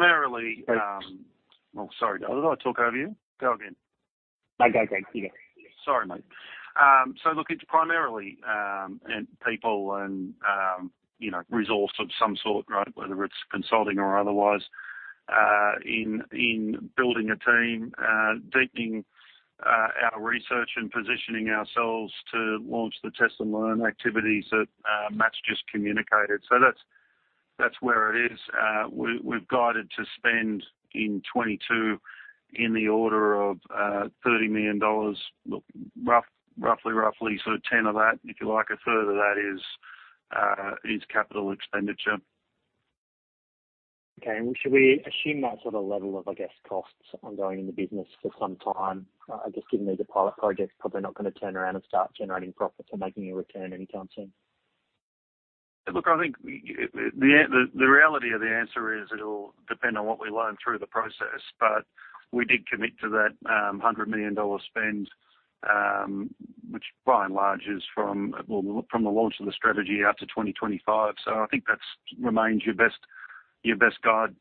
[SPEAKER 3] sorry, Dale. Did I talk over you? Go again.
[SPEAKER 6] No. Go ahead. Yeah.
[SPEAKER 3] Sorry, mate. Look, it's primarily and people and you know, resource of some sort, right? Whether it's consulting or otherwise, in building a team, deepening our research and positioning ourselves to launch the test and learn activities that Matt's just communicated. That's- That's where it is. We've guided to spend in 2022 in the order of 30 million dollars. Roughly sort of 10 of that, if you like, a third of that is capital expenditure.
[SPEAKER 6] Okay. Should we assume that sort of level of, I guess, costs ongoing in the business for some time, just given that the pilot project's probably not gonna turn around and start generating profits or making a return anytime soon?
[SPEAKER 3] Look, I think the reality of the answer is it'll depend on what we learn through the process, but we did commit to that 100 million dollar spend, which by and large is from, well, from the launch of the strategy out to 2025. I think that's remains your best guide.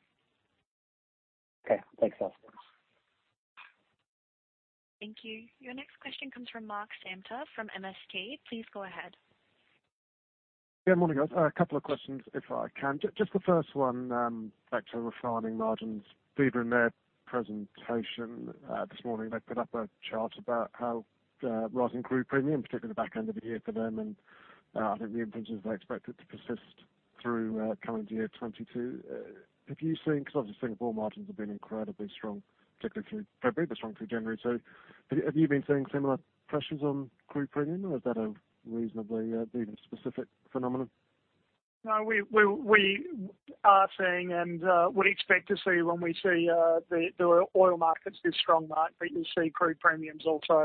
[SPEAKER 6] Okay. Thanks, guys.
[SPEAKER 1] Thank you. Your next question comes from Mark Samter from MST. Please go ahead.
[SPEAKER 7] Yeah, morning, guys. A couple of questions, if I can. Just the first one, back to refining margins. Viva in their presentation this morning, they put up a chart about how rising crude premium, particularly the back end of the year for them and I think the inference is they expect it to persist through current year 2022. Have you seen? Because obviously Singapore margins have been incredibly strong, particularly through February, but strong through January. Have you been seeing similar pressures on crude premium, or is that a reasonably Viva specific phenomenon?
[SPEAKER 2] No, we are seeing and would expect to see when we see the oil markets this strong, Mark, that you see crude premiums also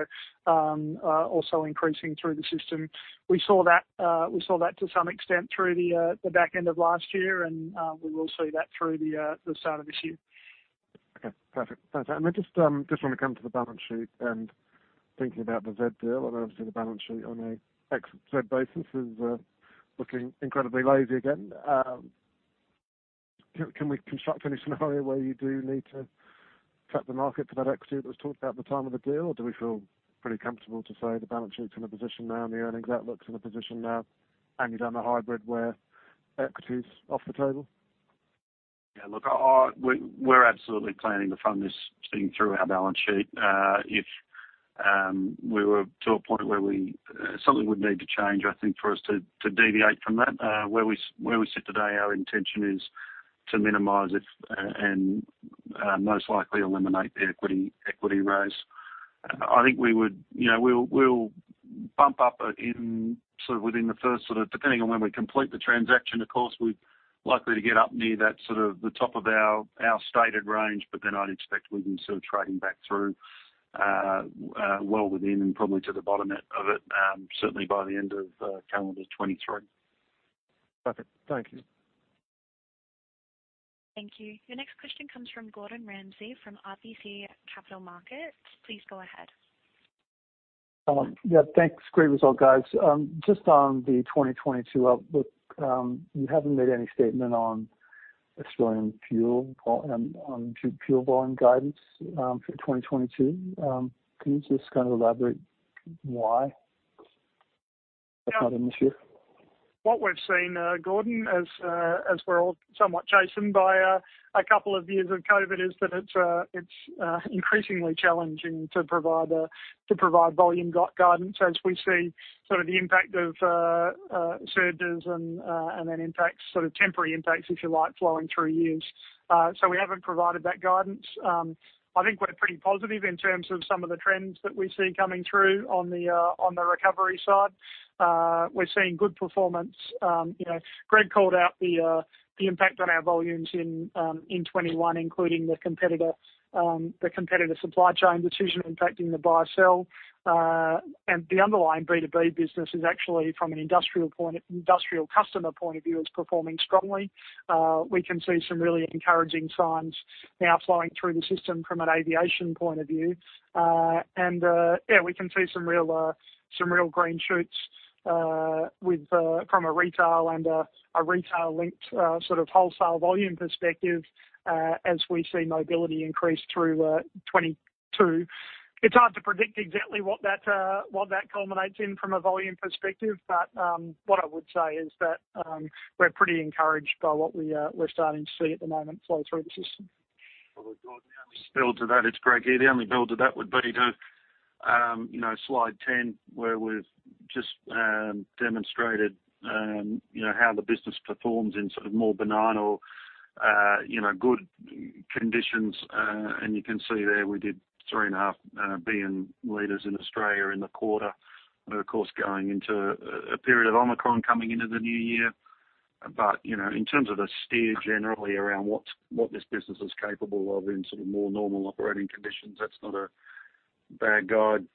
[SPEAKER 2] increasing through the system. We saw that to some extent through the back end of last year, and we will see that through the start of this year.
[SPEAKER 7] Okay, perfect. Thanks. I just wanna come to the balance sheet and thinking about the Z deal and obviously the balance sheet on a ex-Z basis is looking incredibly lazy again. Can we construct any scenario where you do need to tap the market for that equity that was talked about at the time of the deal? Or do we feel pretty comfortable to say the balance sheet's in a position now and the earnings outlook's in a position now, and you've done the hybrid where equity's off the table?
[SPEAKER 3] Yeah, look, we're absolutely planning to fund this thing through our balance sheet. If we were to the point where something would need to change, I think for us to deviate from that. Where we sit today, our intention is to minimize it and most likely eliminate the equity raise. I think we would, you know, we'll bump up in sort of within the first sort of. Depending on when we complete the transaction, of course, we're likely to get up near that sort of the top of our stated range, but then I'd expect we can sort of trade back through, well within and probably to the bottom of it, certainly by the end of calendar 2023.
[SPEAKER 7] Perfect. Thank you.
[SPEAKER 1] Thank you. Your next question comes from Gordon Ramsay from RBC Capital Markets. Please go ahead.
[SPEAKER 8] Yeah, thanks. Great result, guys. Just on the 2022 outlook, you haven't made any statement on Australian fuel volume guidance for 2022. Can you just kinda elaborate why that's not in this year?
[SPEAKER 2] What we've seen, Gordon, as we're all somewhat challenged by a couple of years of COVID, is that it's increasingly challenging to provide volume guidance as we see sort of the impact of surges and then impacts, sort of temporary impacts, if you like, flowing through years. We haven't provided that guidance. I think we're pretty positive in terms of some of the trends that we see coming through on the recovery side. We're seeing good performance. You know, Greg called out the impact on our volumes in 2021, including the competitor supply chain decision impacting the buy/sell. The underlying B2B business is actually from an industrial customer point of view, performing strongly. We can see some really encouraging signs now flowing through the system from an aviation point of view. We can see some real green shoots from a retail and retail-linked sort of wholesale volume perspective as we see mobility increase through 2022. It's hard to predict exactly what that culminates in from a volume perspective. What I would say is that we're pretty encouraged by what we're starting to see at the moment flow through the system.
[SPEAKER 3] It's Greg here. The only build to that would be to, you know, slide 10, where we've just demonstrated, you know, how the business performs in sort of more benign or, you know, good conditions. You can see there, we did 3.5 billion liters in Australia in the quarter. Of course, going into a period of Omicron coming into the new year. You know, in terms of the steer generally around what this business is capable of in sort of more normal operating conditions, that's not a bad guide.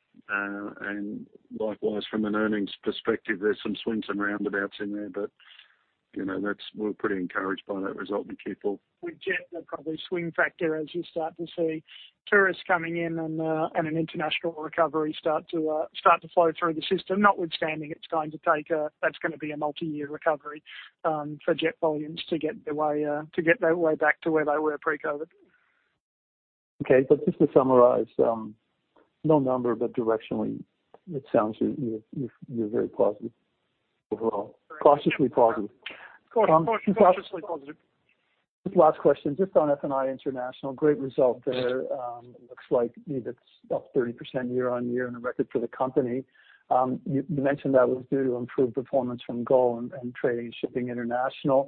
[SPEAKER 3] Likewise, from an earnings perspective, there's some swings and roundabouts in there. You know, that's. We're pretty encouraged by that result and keep-
[SPEAKER 2] With jet, the probable swing factor as you start to see tourists coming in and an international recovery start to flow through the system. Notwithstanding, that's gonna be a multi-year recovery for jet volumes to get their way back to where they were pre-COVID.
[SPEAKER 8] Okay. Just to summarize, no number, but directionally, it sounds you're very positive overall. Cautiously positive.
[SPEAKER 2] Cautiously positive.
[SPEAKER 8] Just last question, just on F&I International. Great result there. Looks like it's up 30% year-on-year and a record for the company. You mentioned that was due to improved performance from Gull and T&I.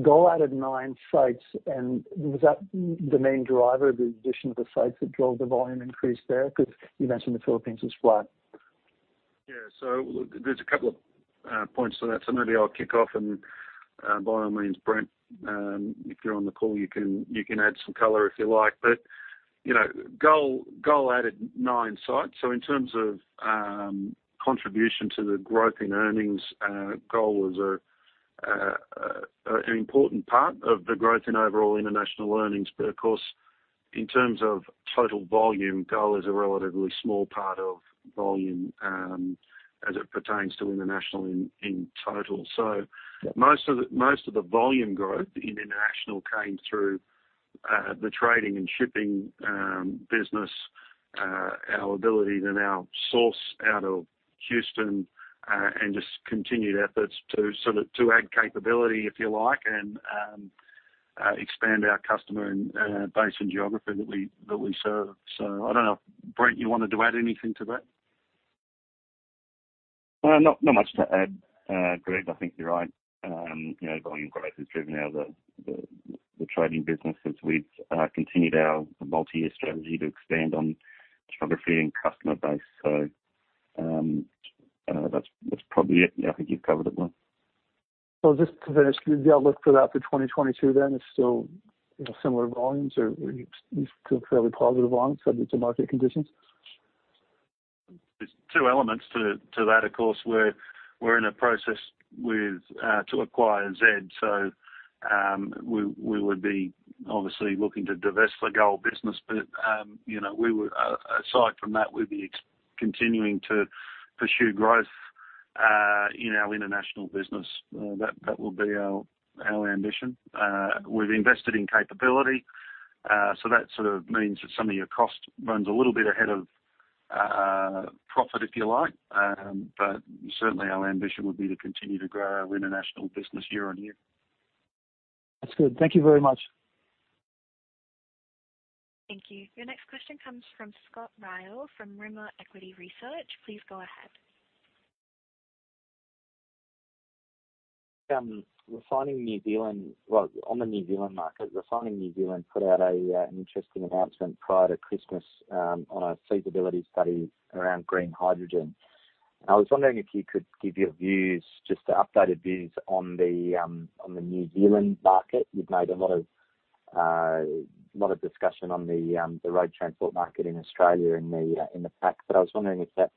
[SPEAKER 8] Gull added nine sites, and was that the main driver, the addition of the sites that drove the volume increase there? 'Cause you mentioned the Philippines was flat.
[SPEAKER 3] Yeah. There's a couple of points to that. Maybe I'll kick off and by all means, Brent, if you're on the call, you can add some color if you like. You know, Gull added nine sites. In terms of contribution to the growth in earnings, Gull was an important part of the growth in overall international earnings. Of course, in terms of total volume, Gull is a relatively small part of volume as it pertains to international in total. Most of the volume growth in international came through the trading and shipping business, our ability to now source out of Houston, and just continued efforts to add capability, if you like, and expand our customer and base and geography that we serve. I don't know, Brent, you wanted to add anything to that?
[SPEAKER 9] Not much to add. Greg, I think you're right. You know, volume growth is driven out of the trading business since we've continued our multi-year strategy to expand on geography and customer base. That's probably it. Yeah. I think you've covered it well.
[SPEAKER 8] Just to finish, the outlook for that for 2022 then is still, you know, similar volumes or you feel fairly positive on subject to market conditions?
[SPEAKER 3] There's two elements to that, of course, we're in a process to acquire Z. We would be obviously looking to divest the Gull business. You know, aside from that, we'd be continuing to pursue growth in our international business. That will be our ambition. We've invested in capability. That sort of means that some of our costs run a little bit ahead of profit, if you like. Certainly our ambition would be to continue to grow our international business year-on-year.
[SPEAKER 8] That's good. Thank you very much.
[SPEAKER 1] Thank you. Your next question comes from Scott Ryall from Rimor Equity Research. Please go ahead.
[SPEAKER 10] Refining New Zealand. Well, on the New Zealand market, Refining New Zealand put out an interesting announcement prior to Christmas, on a feasibility study around green hydrogen. I was wondering if you could give your views, just updated views on the New Zealand market. You've made a lot of discussion on the road transport market in Australia and in the pack, but I was wondering if that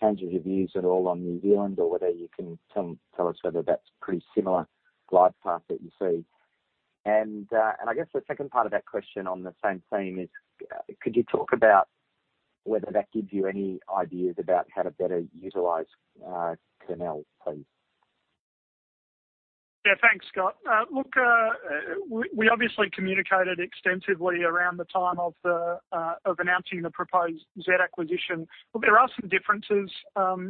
[SPEAKER 10] changes your views at all on New Zealand or whether you can tell us whether that's pretty similar glide path that you see. I guess the second part of that question on the same theme is, could you talk about whether that gives you any ideas about how to better utilize Kurnell, please?
[SPEAKER 2] Yeah, thanks, Scott. Look, we obviously communicated extensively around the time of announcing the proposed Z acquisition. Look, there are some differences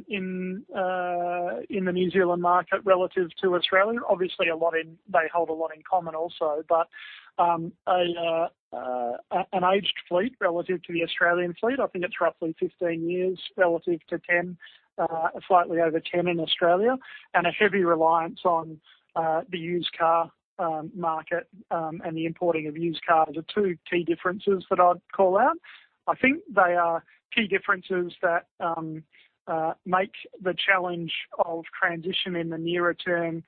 [SPEAKER 2] in the New Zealand market relative to Australia. Obviously, they hold a lot in common also. An aged fleet relative to the Australian fleet, I think it's roughly 15 years relative to 10, slightly over 10 in Australia, and a heavy reliance on the used car market and the importing of used cars are two key differences that I'd call out. I think they are key differences that make the challenge of transition in the nearer term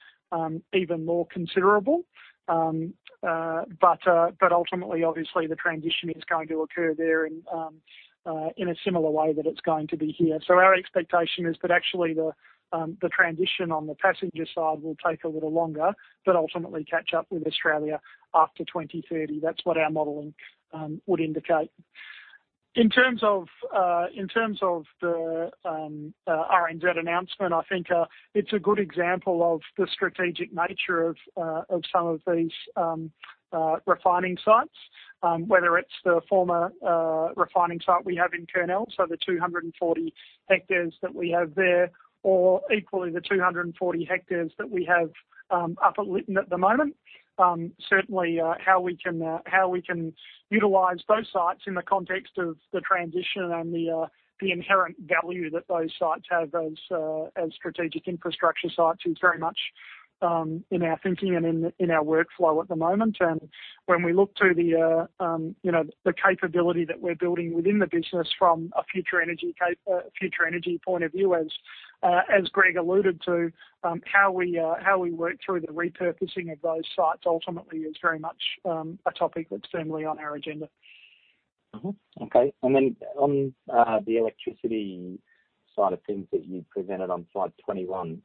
[SPEAKER 2] even more considerable. Ultimately, obviously, the transition is going to occur there in a similar way that it's going to be here. Our expectation is that actually the transition on the passenger side will take a little longer, but ultimately catch up with Australia after 2030. That's what our modeling would indicate. In terms of the RNZ announcement, I think it's a good example of the strategic nature of some of these refining sites, whether it's the former refining site we have in Kurnell, so the 240 hectares that we have there, or equally the 240 hectares that we have up at Lytton at the moment. Certainly, how we can utilize those sites in the context of the transition and the inherent value that those sites have as strategic infrastructure sites is very much in our thinking and in our workflow at the moment. When we look to the, you know, the capability that we're building within the business from a future energy point of view, as Greg alluded to, how we work through the repurposing of those sites ultimately is very much a topic that's firmly on our agenda.
[SPEAKER 10] Okay. Then on the electricity side of things that you presented on slide 21,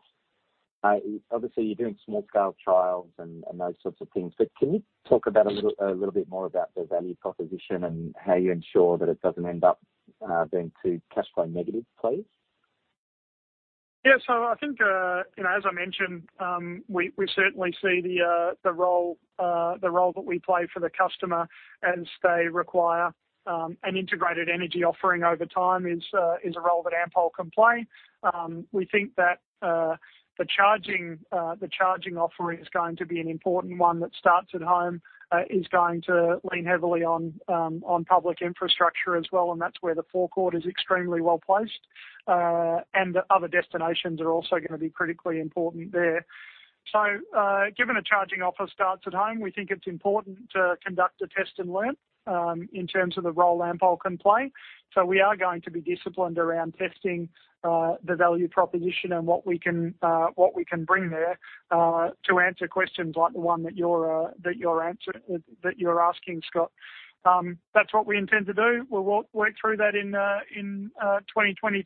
[SPEAKER 10] obviously you're doing small-scale trials and those sorts of things, but can you talk a little bit more about the value proposition and how you ensure that it doesn't end up being too cash flow negative, please?
[SPEAKER 2] Yeah. I think, you know, as I mentioned, we certainly see the role that we play for the customer as they require an integrated energy offering over time is a role that Ampol can play. We think that the charging offering is going to be an important one that starts at home is going to lean heavily on public infrastructure as well, and that's where the forecourt is extremely well-placed. Other destinations are also gonna be critically important there. Given the charging offer starts at home, we think it's important to conduct a test-and-learn in terms of the role Ampol can play. We are going to be disciplined around testing the value proposition and what we can bring there to answer questions like the one that you're asking, Scott. That's what we intend to do. We'll work through that in 2022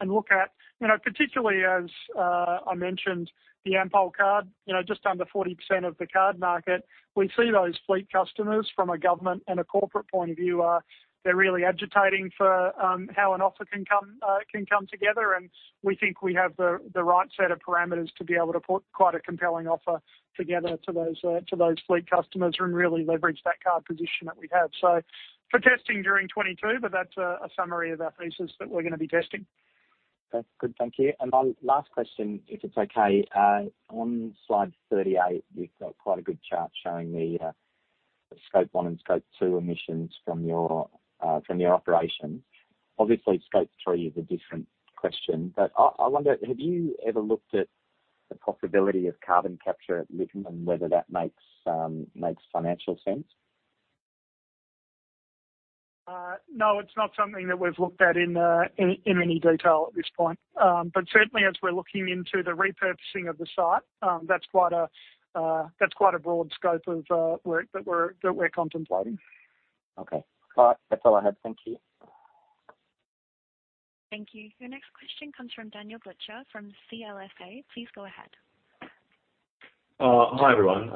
[SPEAKER 2] and look at, you know, particularly as I mentioned the AmpolCard. You know, just under 40% of the card market, we see those fleet customers from a government and a corporate point of view are really agitating for how an offer can come together. We think we have the right set of parameters to be able to put quite a compelling offer together to those fleet customers and really leverage that card position that we have. For testing during 2022, but that's a summary of our thesis that we're gonna be testing.
[SPEAKER 10] Okay. Good. Thank you. Last question, if it's okay. On Slide 38, you've got quite a good chart showing the Scope 1 and Scope 2 emissions from your operations. Obviously, Scope 3 is a different question, but I wonder, have you ever looked at the possibility of carbon capture at Lytton and whether that makes financial sense?
[SPEAKER 2] No, it's not something that we've looked at in any detail at this point. Certainly, as we're looking into the repurposing of the site, that's quite a broad scope of work that we're contemplating.
[SPEAKER 10] Okay. All right. That's all I had. Thank you.
[SPEAKER 1] Thank you. Your next question comes from Daniel Butcher from CLSA. Please go ahead.
[SPEAKER 11] Hi, everyone.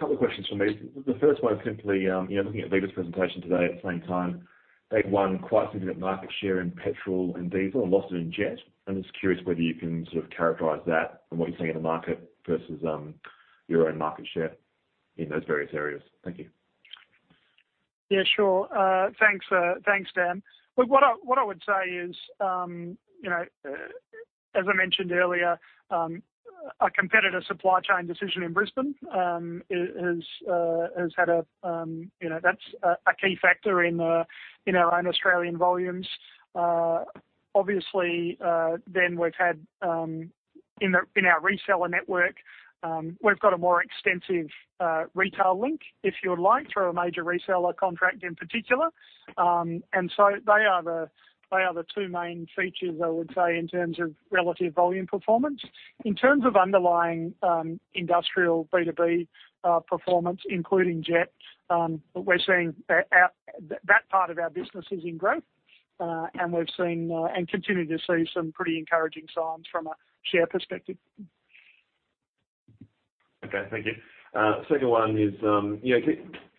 [SPEAKER 11] Couple of questions from me. The first one is simply, you know, looking at Viva's presentation today, at the same time, they've won quite a bit of market share in petrol and diesel and lots of it in jet. I'm just curious whether you can sort of characterize that from what you're seeing in the market versus, your own market share in those various areas. Thank you.
[SPEAKER 2] Yeah, sure. Thanks, Dan. Look, what I would say is, you know, as I mentioned earlier, a competitor supply chain decision in Brisbane has had a, you know, that's a key factor in our own Australian volumes. Obviously, then we've had in our reseller network, we've got a more extensive retail link, if you would like, through a major reseller contract in particular. They are the two main features I would say in terms of relative volume performance. In terms of underlying industrial B2B performance, including jet, we're seeing that part of our business is in growth. We've seen and continue to see some pretty encouraging signs from a share perspective.
[SPEAKER 11] Okay, thank you. Second one is, you know,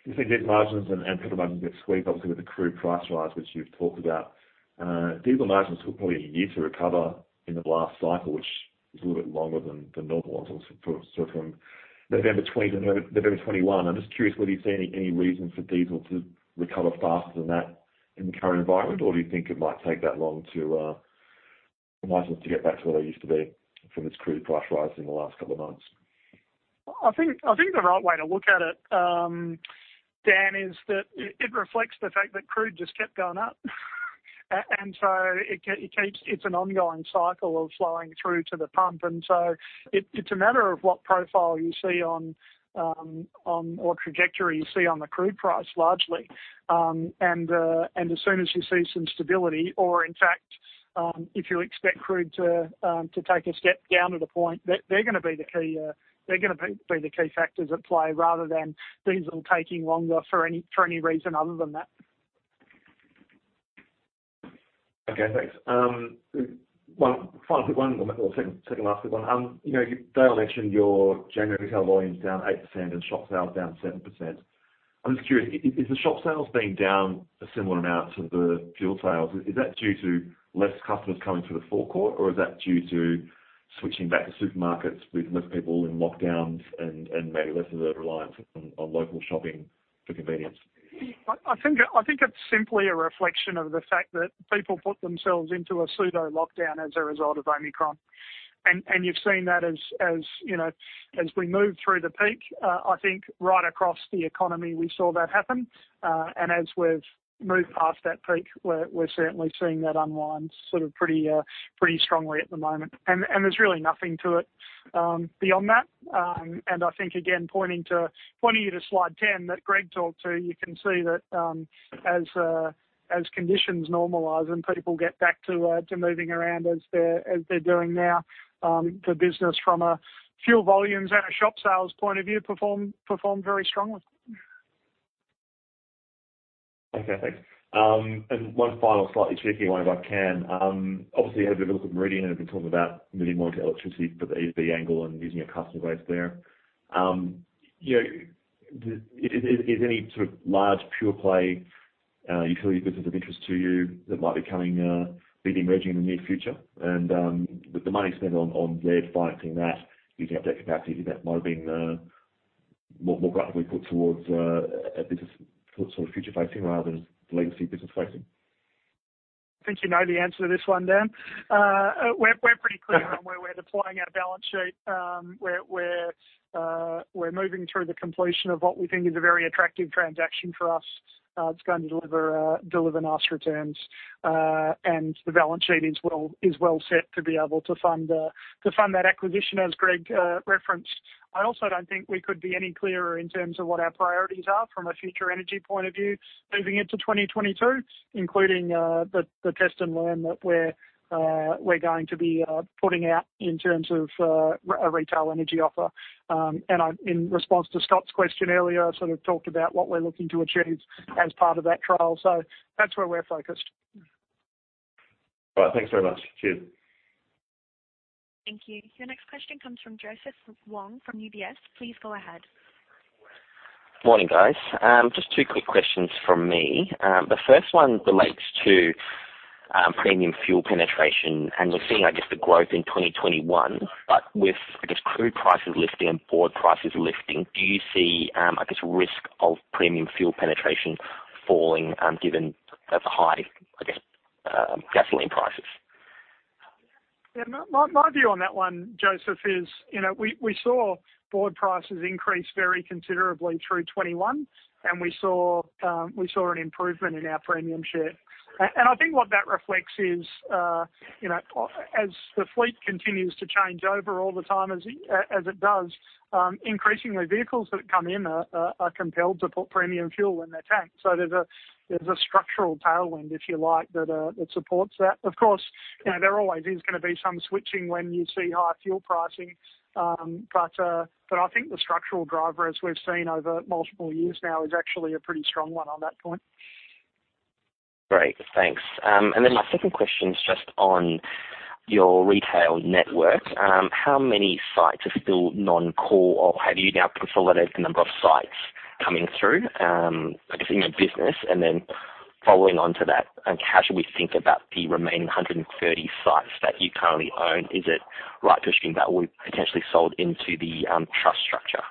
[SPEAKER 11] you think net margins and put them under a bit of squeeze, obviously, with the crude price rise, which you've talked about. Diesel margins took probably a year to recover in the last cycle, which was a little bit longer than normal. From November 2020 to November 2021, I'm just curious whether you see any reason for diesel to recover faster than that in the current environment? Do you think it might take that long to for margins to get back to where they used to be from this crude price rise in the last couple of months?
[SPEAKER 2] I think the right way to look at it, Dan, is that it reflects the fact that crude just kept going up. It keeps. It's an ongoing cycle of flowing through to the pump. It's a matter of what profile you see on or trajectory you see on the crude price, largely. As soon as you see some stability or, in fact, if you expect crude to take a step down at a point, they're gonna be the key factors at play rather than diesel taking longer for any reason other than that.
[SPEAKER 11] Okay, thanks. One final quick one or second last quick one. You know, Dale mentioned your January retail volume's down 8% and shop sales down 7%. I'm just curious, is the shop sales being down a similar amount to the fuel sales? Is that due to less customers coming to the forecourt, or is that due to switching back to supermarkets with less people in lockdowns and maybe less of a reliance on local shopping for convenience?
[SPEAKER 2] I think it's simply a reflection of the fact that people put themselves into a pseudo lockdown as a result of Omicron. You've seen that, you know, as we move through the peak, I think right across the economy, we saw that happen. As we've moved past that peak, we're certainly seeing that unwind sort of pretty strongly at the moment. There's really nothing to it beyond that. I think, again, pointing you to slide 10 that Greg talked to, you can see that, as conditions normalize and people get back to moving around as they're doing now, the business from a fuel volumes and a shop sales point of view performed very strongly.
[SPEAKER 11] Okay, thanks. One final slightly cheeky one, if I can. Obviously, you had a bit of a look at Meridian and have been talking about moving more into electricity for the EV angle and using your customer base there. You know, is any sort of large pure play Utility business of interest to you that might be coming to be emerging in the near future? With the money spent on refinancing that you'd have the capacity that might have been more greatly put towards a business sort of future facing rather than legacy business facing.
[SPEAKER 2] I think you know the answer to this one, Dan. We're pretty clear on where we're deploying our balance sheet. We're moving through the completion of what we think is a very attractive transaction for us, that's going to deliver nice returns. The balance sheet is well set to be able to fund that acquisition, as Greg referenced. I also don't think we could be any clearer in terms of what our priorities are from a future energy point of view moving into 2022, including the test and learn that we're going to be putting out in terms of a retail energy offer. In response to Scott's question earlier, sort of talked about what we're looking to achieve as part of that trial. That's where we're focused.
[SPEAKER 12] All right. Thanks very much. Cheers.
[SPEAKER 1] Thank you. Your next question comes from Joseph Wong from UBS. Please go ahead.
[SPEAKER 13] Morning, guys. Just two quick questions from me. The first one relates to premium fuel penetration. We're seeing, I guess, the growth in 2021, but with, I guess, crude prices lifting and Brent prices lifting, do you see, I guess, risk of premium fuel penetration falling, given the high, I guess, gasoline prices?
[SPEAKER 2] Yeah. My view on that one, Joseph, is, you know, we saw Brent prices increase very considerably through 2021, and we saw an improvement in our premium share. I think what that reflects is, you know, as the fleet continues to change over all the time as it does, increasingly vehicles that come in are compelled to put premium fuel in their tank. There's a structural tailwind, if you like, that supports that. Of course, you know, there always is gonna be some switching when you see high fuel pricing. I think the structural driver, as we've seen over multiple years now, is actually a pretty strong one on that point.
[SPEAKER 13] Great. Thanks. Then my second question is just on your retail network. How many sites are still non-core or have you now consolidated the number of sites coming through, I guess, in your business? Following on to that, how should we think about the remaining 130 sites that you currently own? Is it right to assume that will be potentially sold into the trust structure?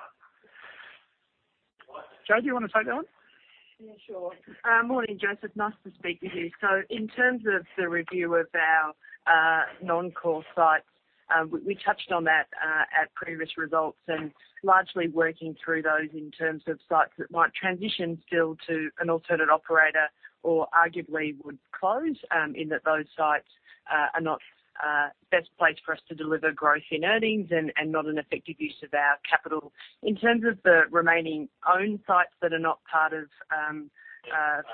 [SPEAKER 2] Jo, do you wanna take that one?
[SPEAKER 14] Yeah, sure. Morning, Joseph. Nice to speak with you. In terms of the review of our non-core sites, we touched on that at previous results and largely working through those in terms of sites that might transition still to an alternate operator or arguably would close, in that those sites are not best placed for us to deliver growth in earnings and not an effective use of our capital. In terms of the remaining owned sites that are not part of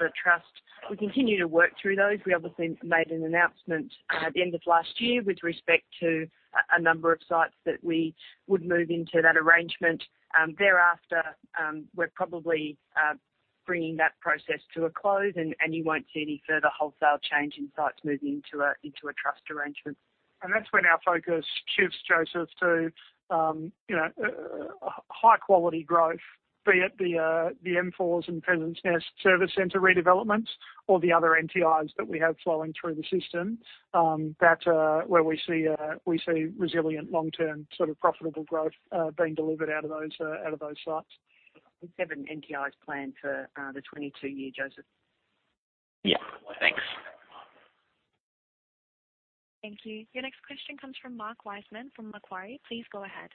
[SPEAKER 14] the trust, we continue to work through those. We obviously made an announcement at the end of last year with respect to a number of sites that we would move into that arrangement. Thereafter, we're probably bringing that process to a close, and you won't see any further wholesale change in sites moving into a trust arrangement.
[SPEAKER 2] That's when our focus shifts, Joseph, to you know high quality growth, be it the M4s and Pheasants Nest Service Center redevelopments or the other NTIs that we have flowing through the system, that where we see resilient long-term sort of profitable growth being delivered out of those sites.
[SPEAKER 14] We have an NTIs plan for the 2022 year, Joseph.
[SPEAKER 13] Yeah. Thanks.
[SPEAKER 1] Thank you. Your next question comes from Mark Wiseman from Macquarie. Please go ahead.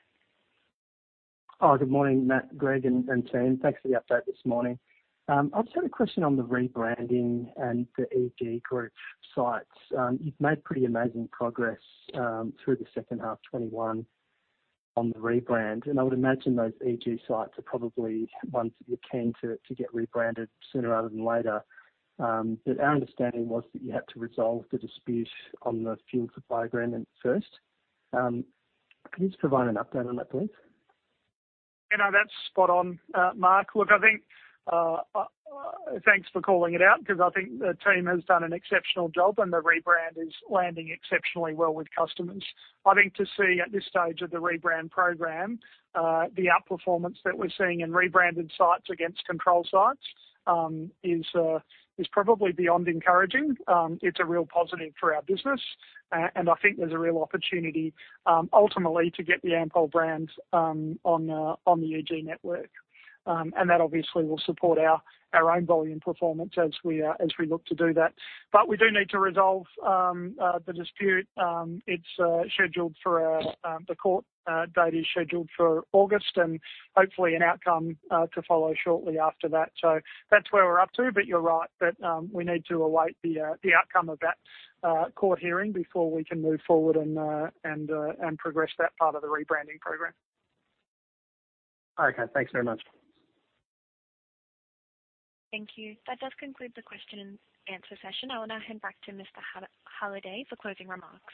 [SPEAKER 12] Oh, good morning, Matt, Greg, and team. Thanks for the update this morning. I just had a question on the rebranding and the EG Group sites. You've made pretty amazing progress through the second half 2021 on the rebrand, and I would imagine those EG sites are probably ones that you're keen to get rebranded sooner rather than later. Our understanding was that you had to resolve the dispute on the fuel supply agreement first. Can you just provide an update on that, please?
[SPEAKER 2] You know, that's spot on, Mark. Look, I think, thanks for calling it out because I think the team has done an exceptional job, and the rebrand is landing exceptionally well with customers. I think to see at this stage of the rebrand program, the outperformance that we're seeing in rebranded sites against control sites, is probably beyond encouraging. It's a real positive for our business. I think there's a real opportunity, ultimately to get the Ampol brand, on the EG network. That obviously will support our own volume performance as we look to do that. We do need to resolve the dispute. It's scheduled for the court date is scheduled for August and hopefully an outcome to follow shortly after that. That's where we're up to. You're right that we need to await the outcome of that court hearing before we can move forward and progress that part of the rebranding program.
[SPEAKER 12] Okay. Thanks very much.
[SPEAKER 1] Thank you. That does conclude the question and answer session. I will now hand back to Mr. Halliday for closing remarks.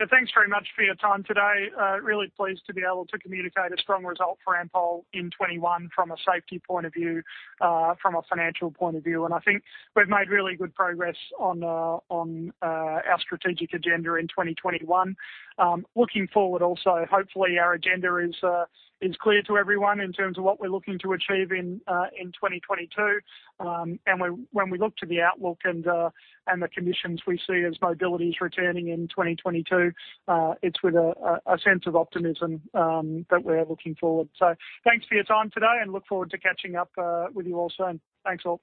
[SPEAKER 2] Yeah, thanks very much for your time today. Really pleased to be able to communicate a strong result for Ampol in 2021 from a safety point of view, from a financial point of view. I think we've made really good progress on our strategic agenda in 2021. Looking forward also, hopefully our agenda is clear to everyone in terms of what we're looking to achieve in 2022. When we look to the outlook and the conditions we see as mobility is returning in 2022, it's with a sense of optimism that we're looking forward. Thanks for your time today and look forward to catching up with you all soon. Thanks, all.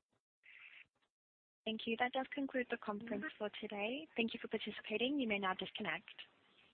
[SPEAKER 1] Thank you. That does conclude the conference for today. Thank you for participating. You may now disconnect.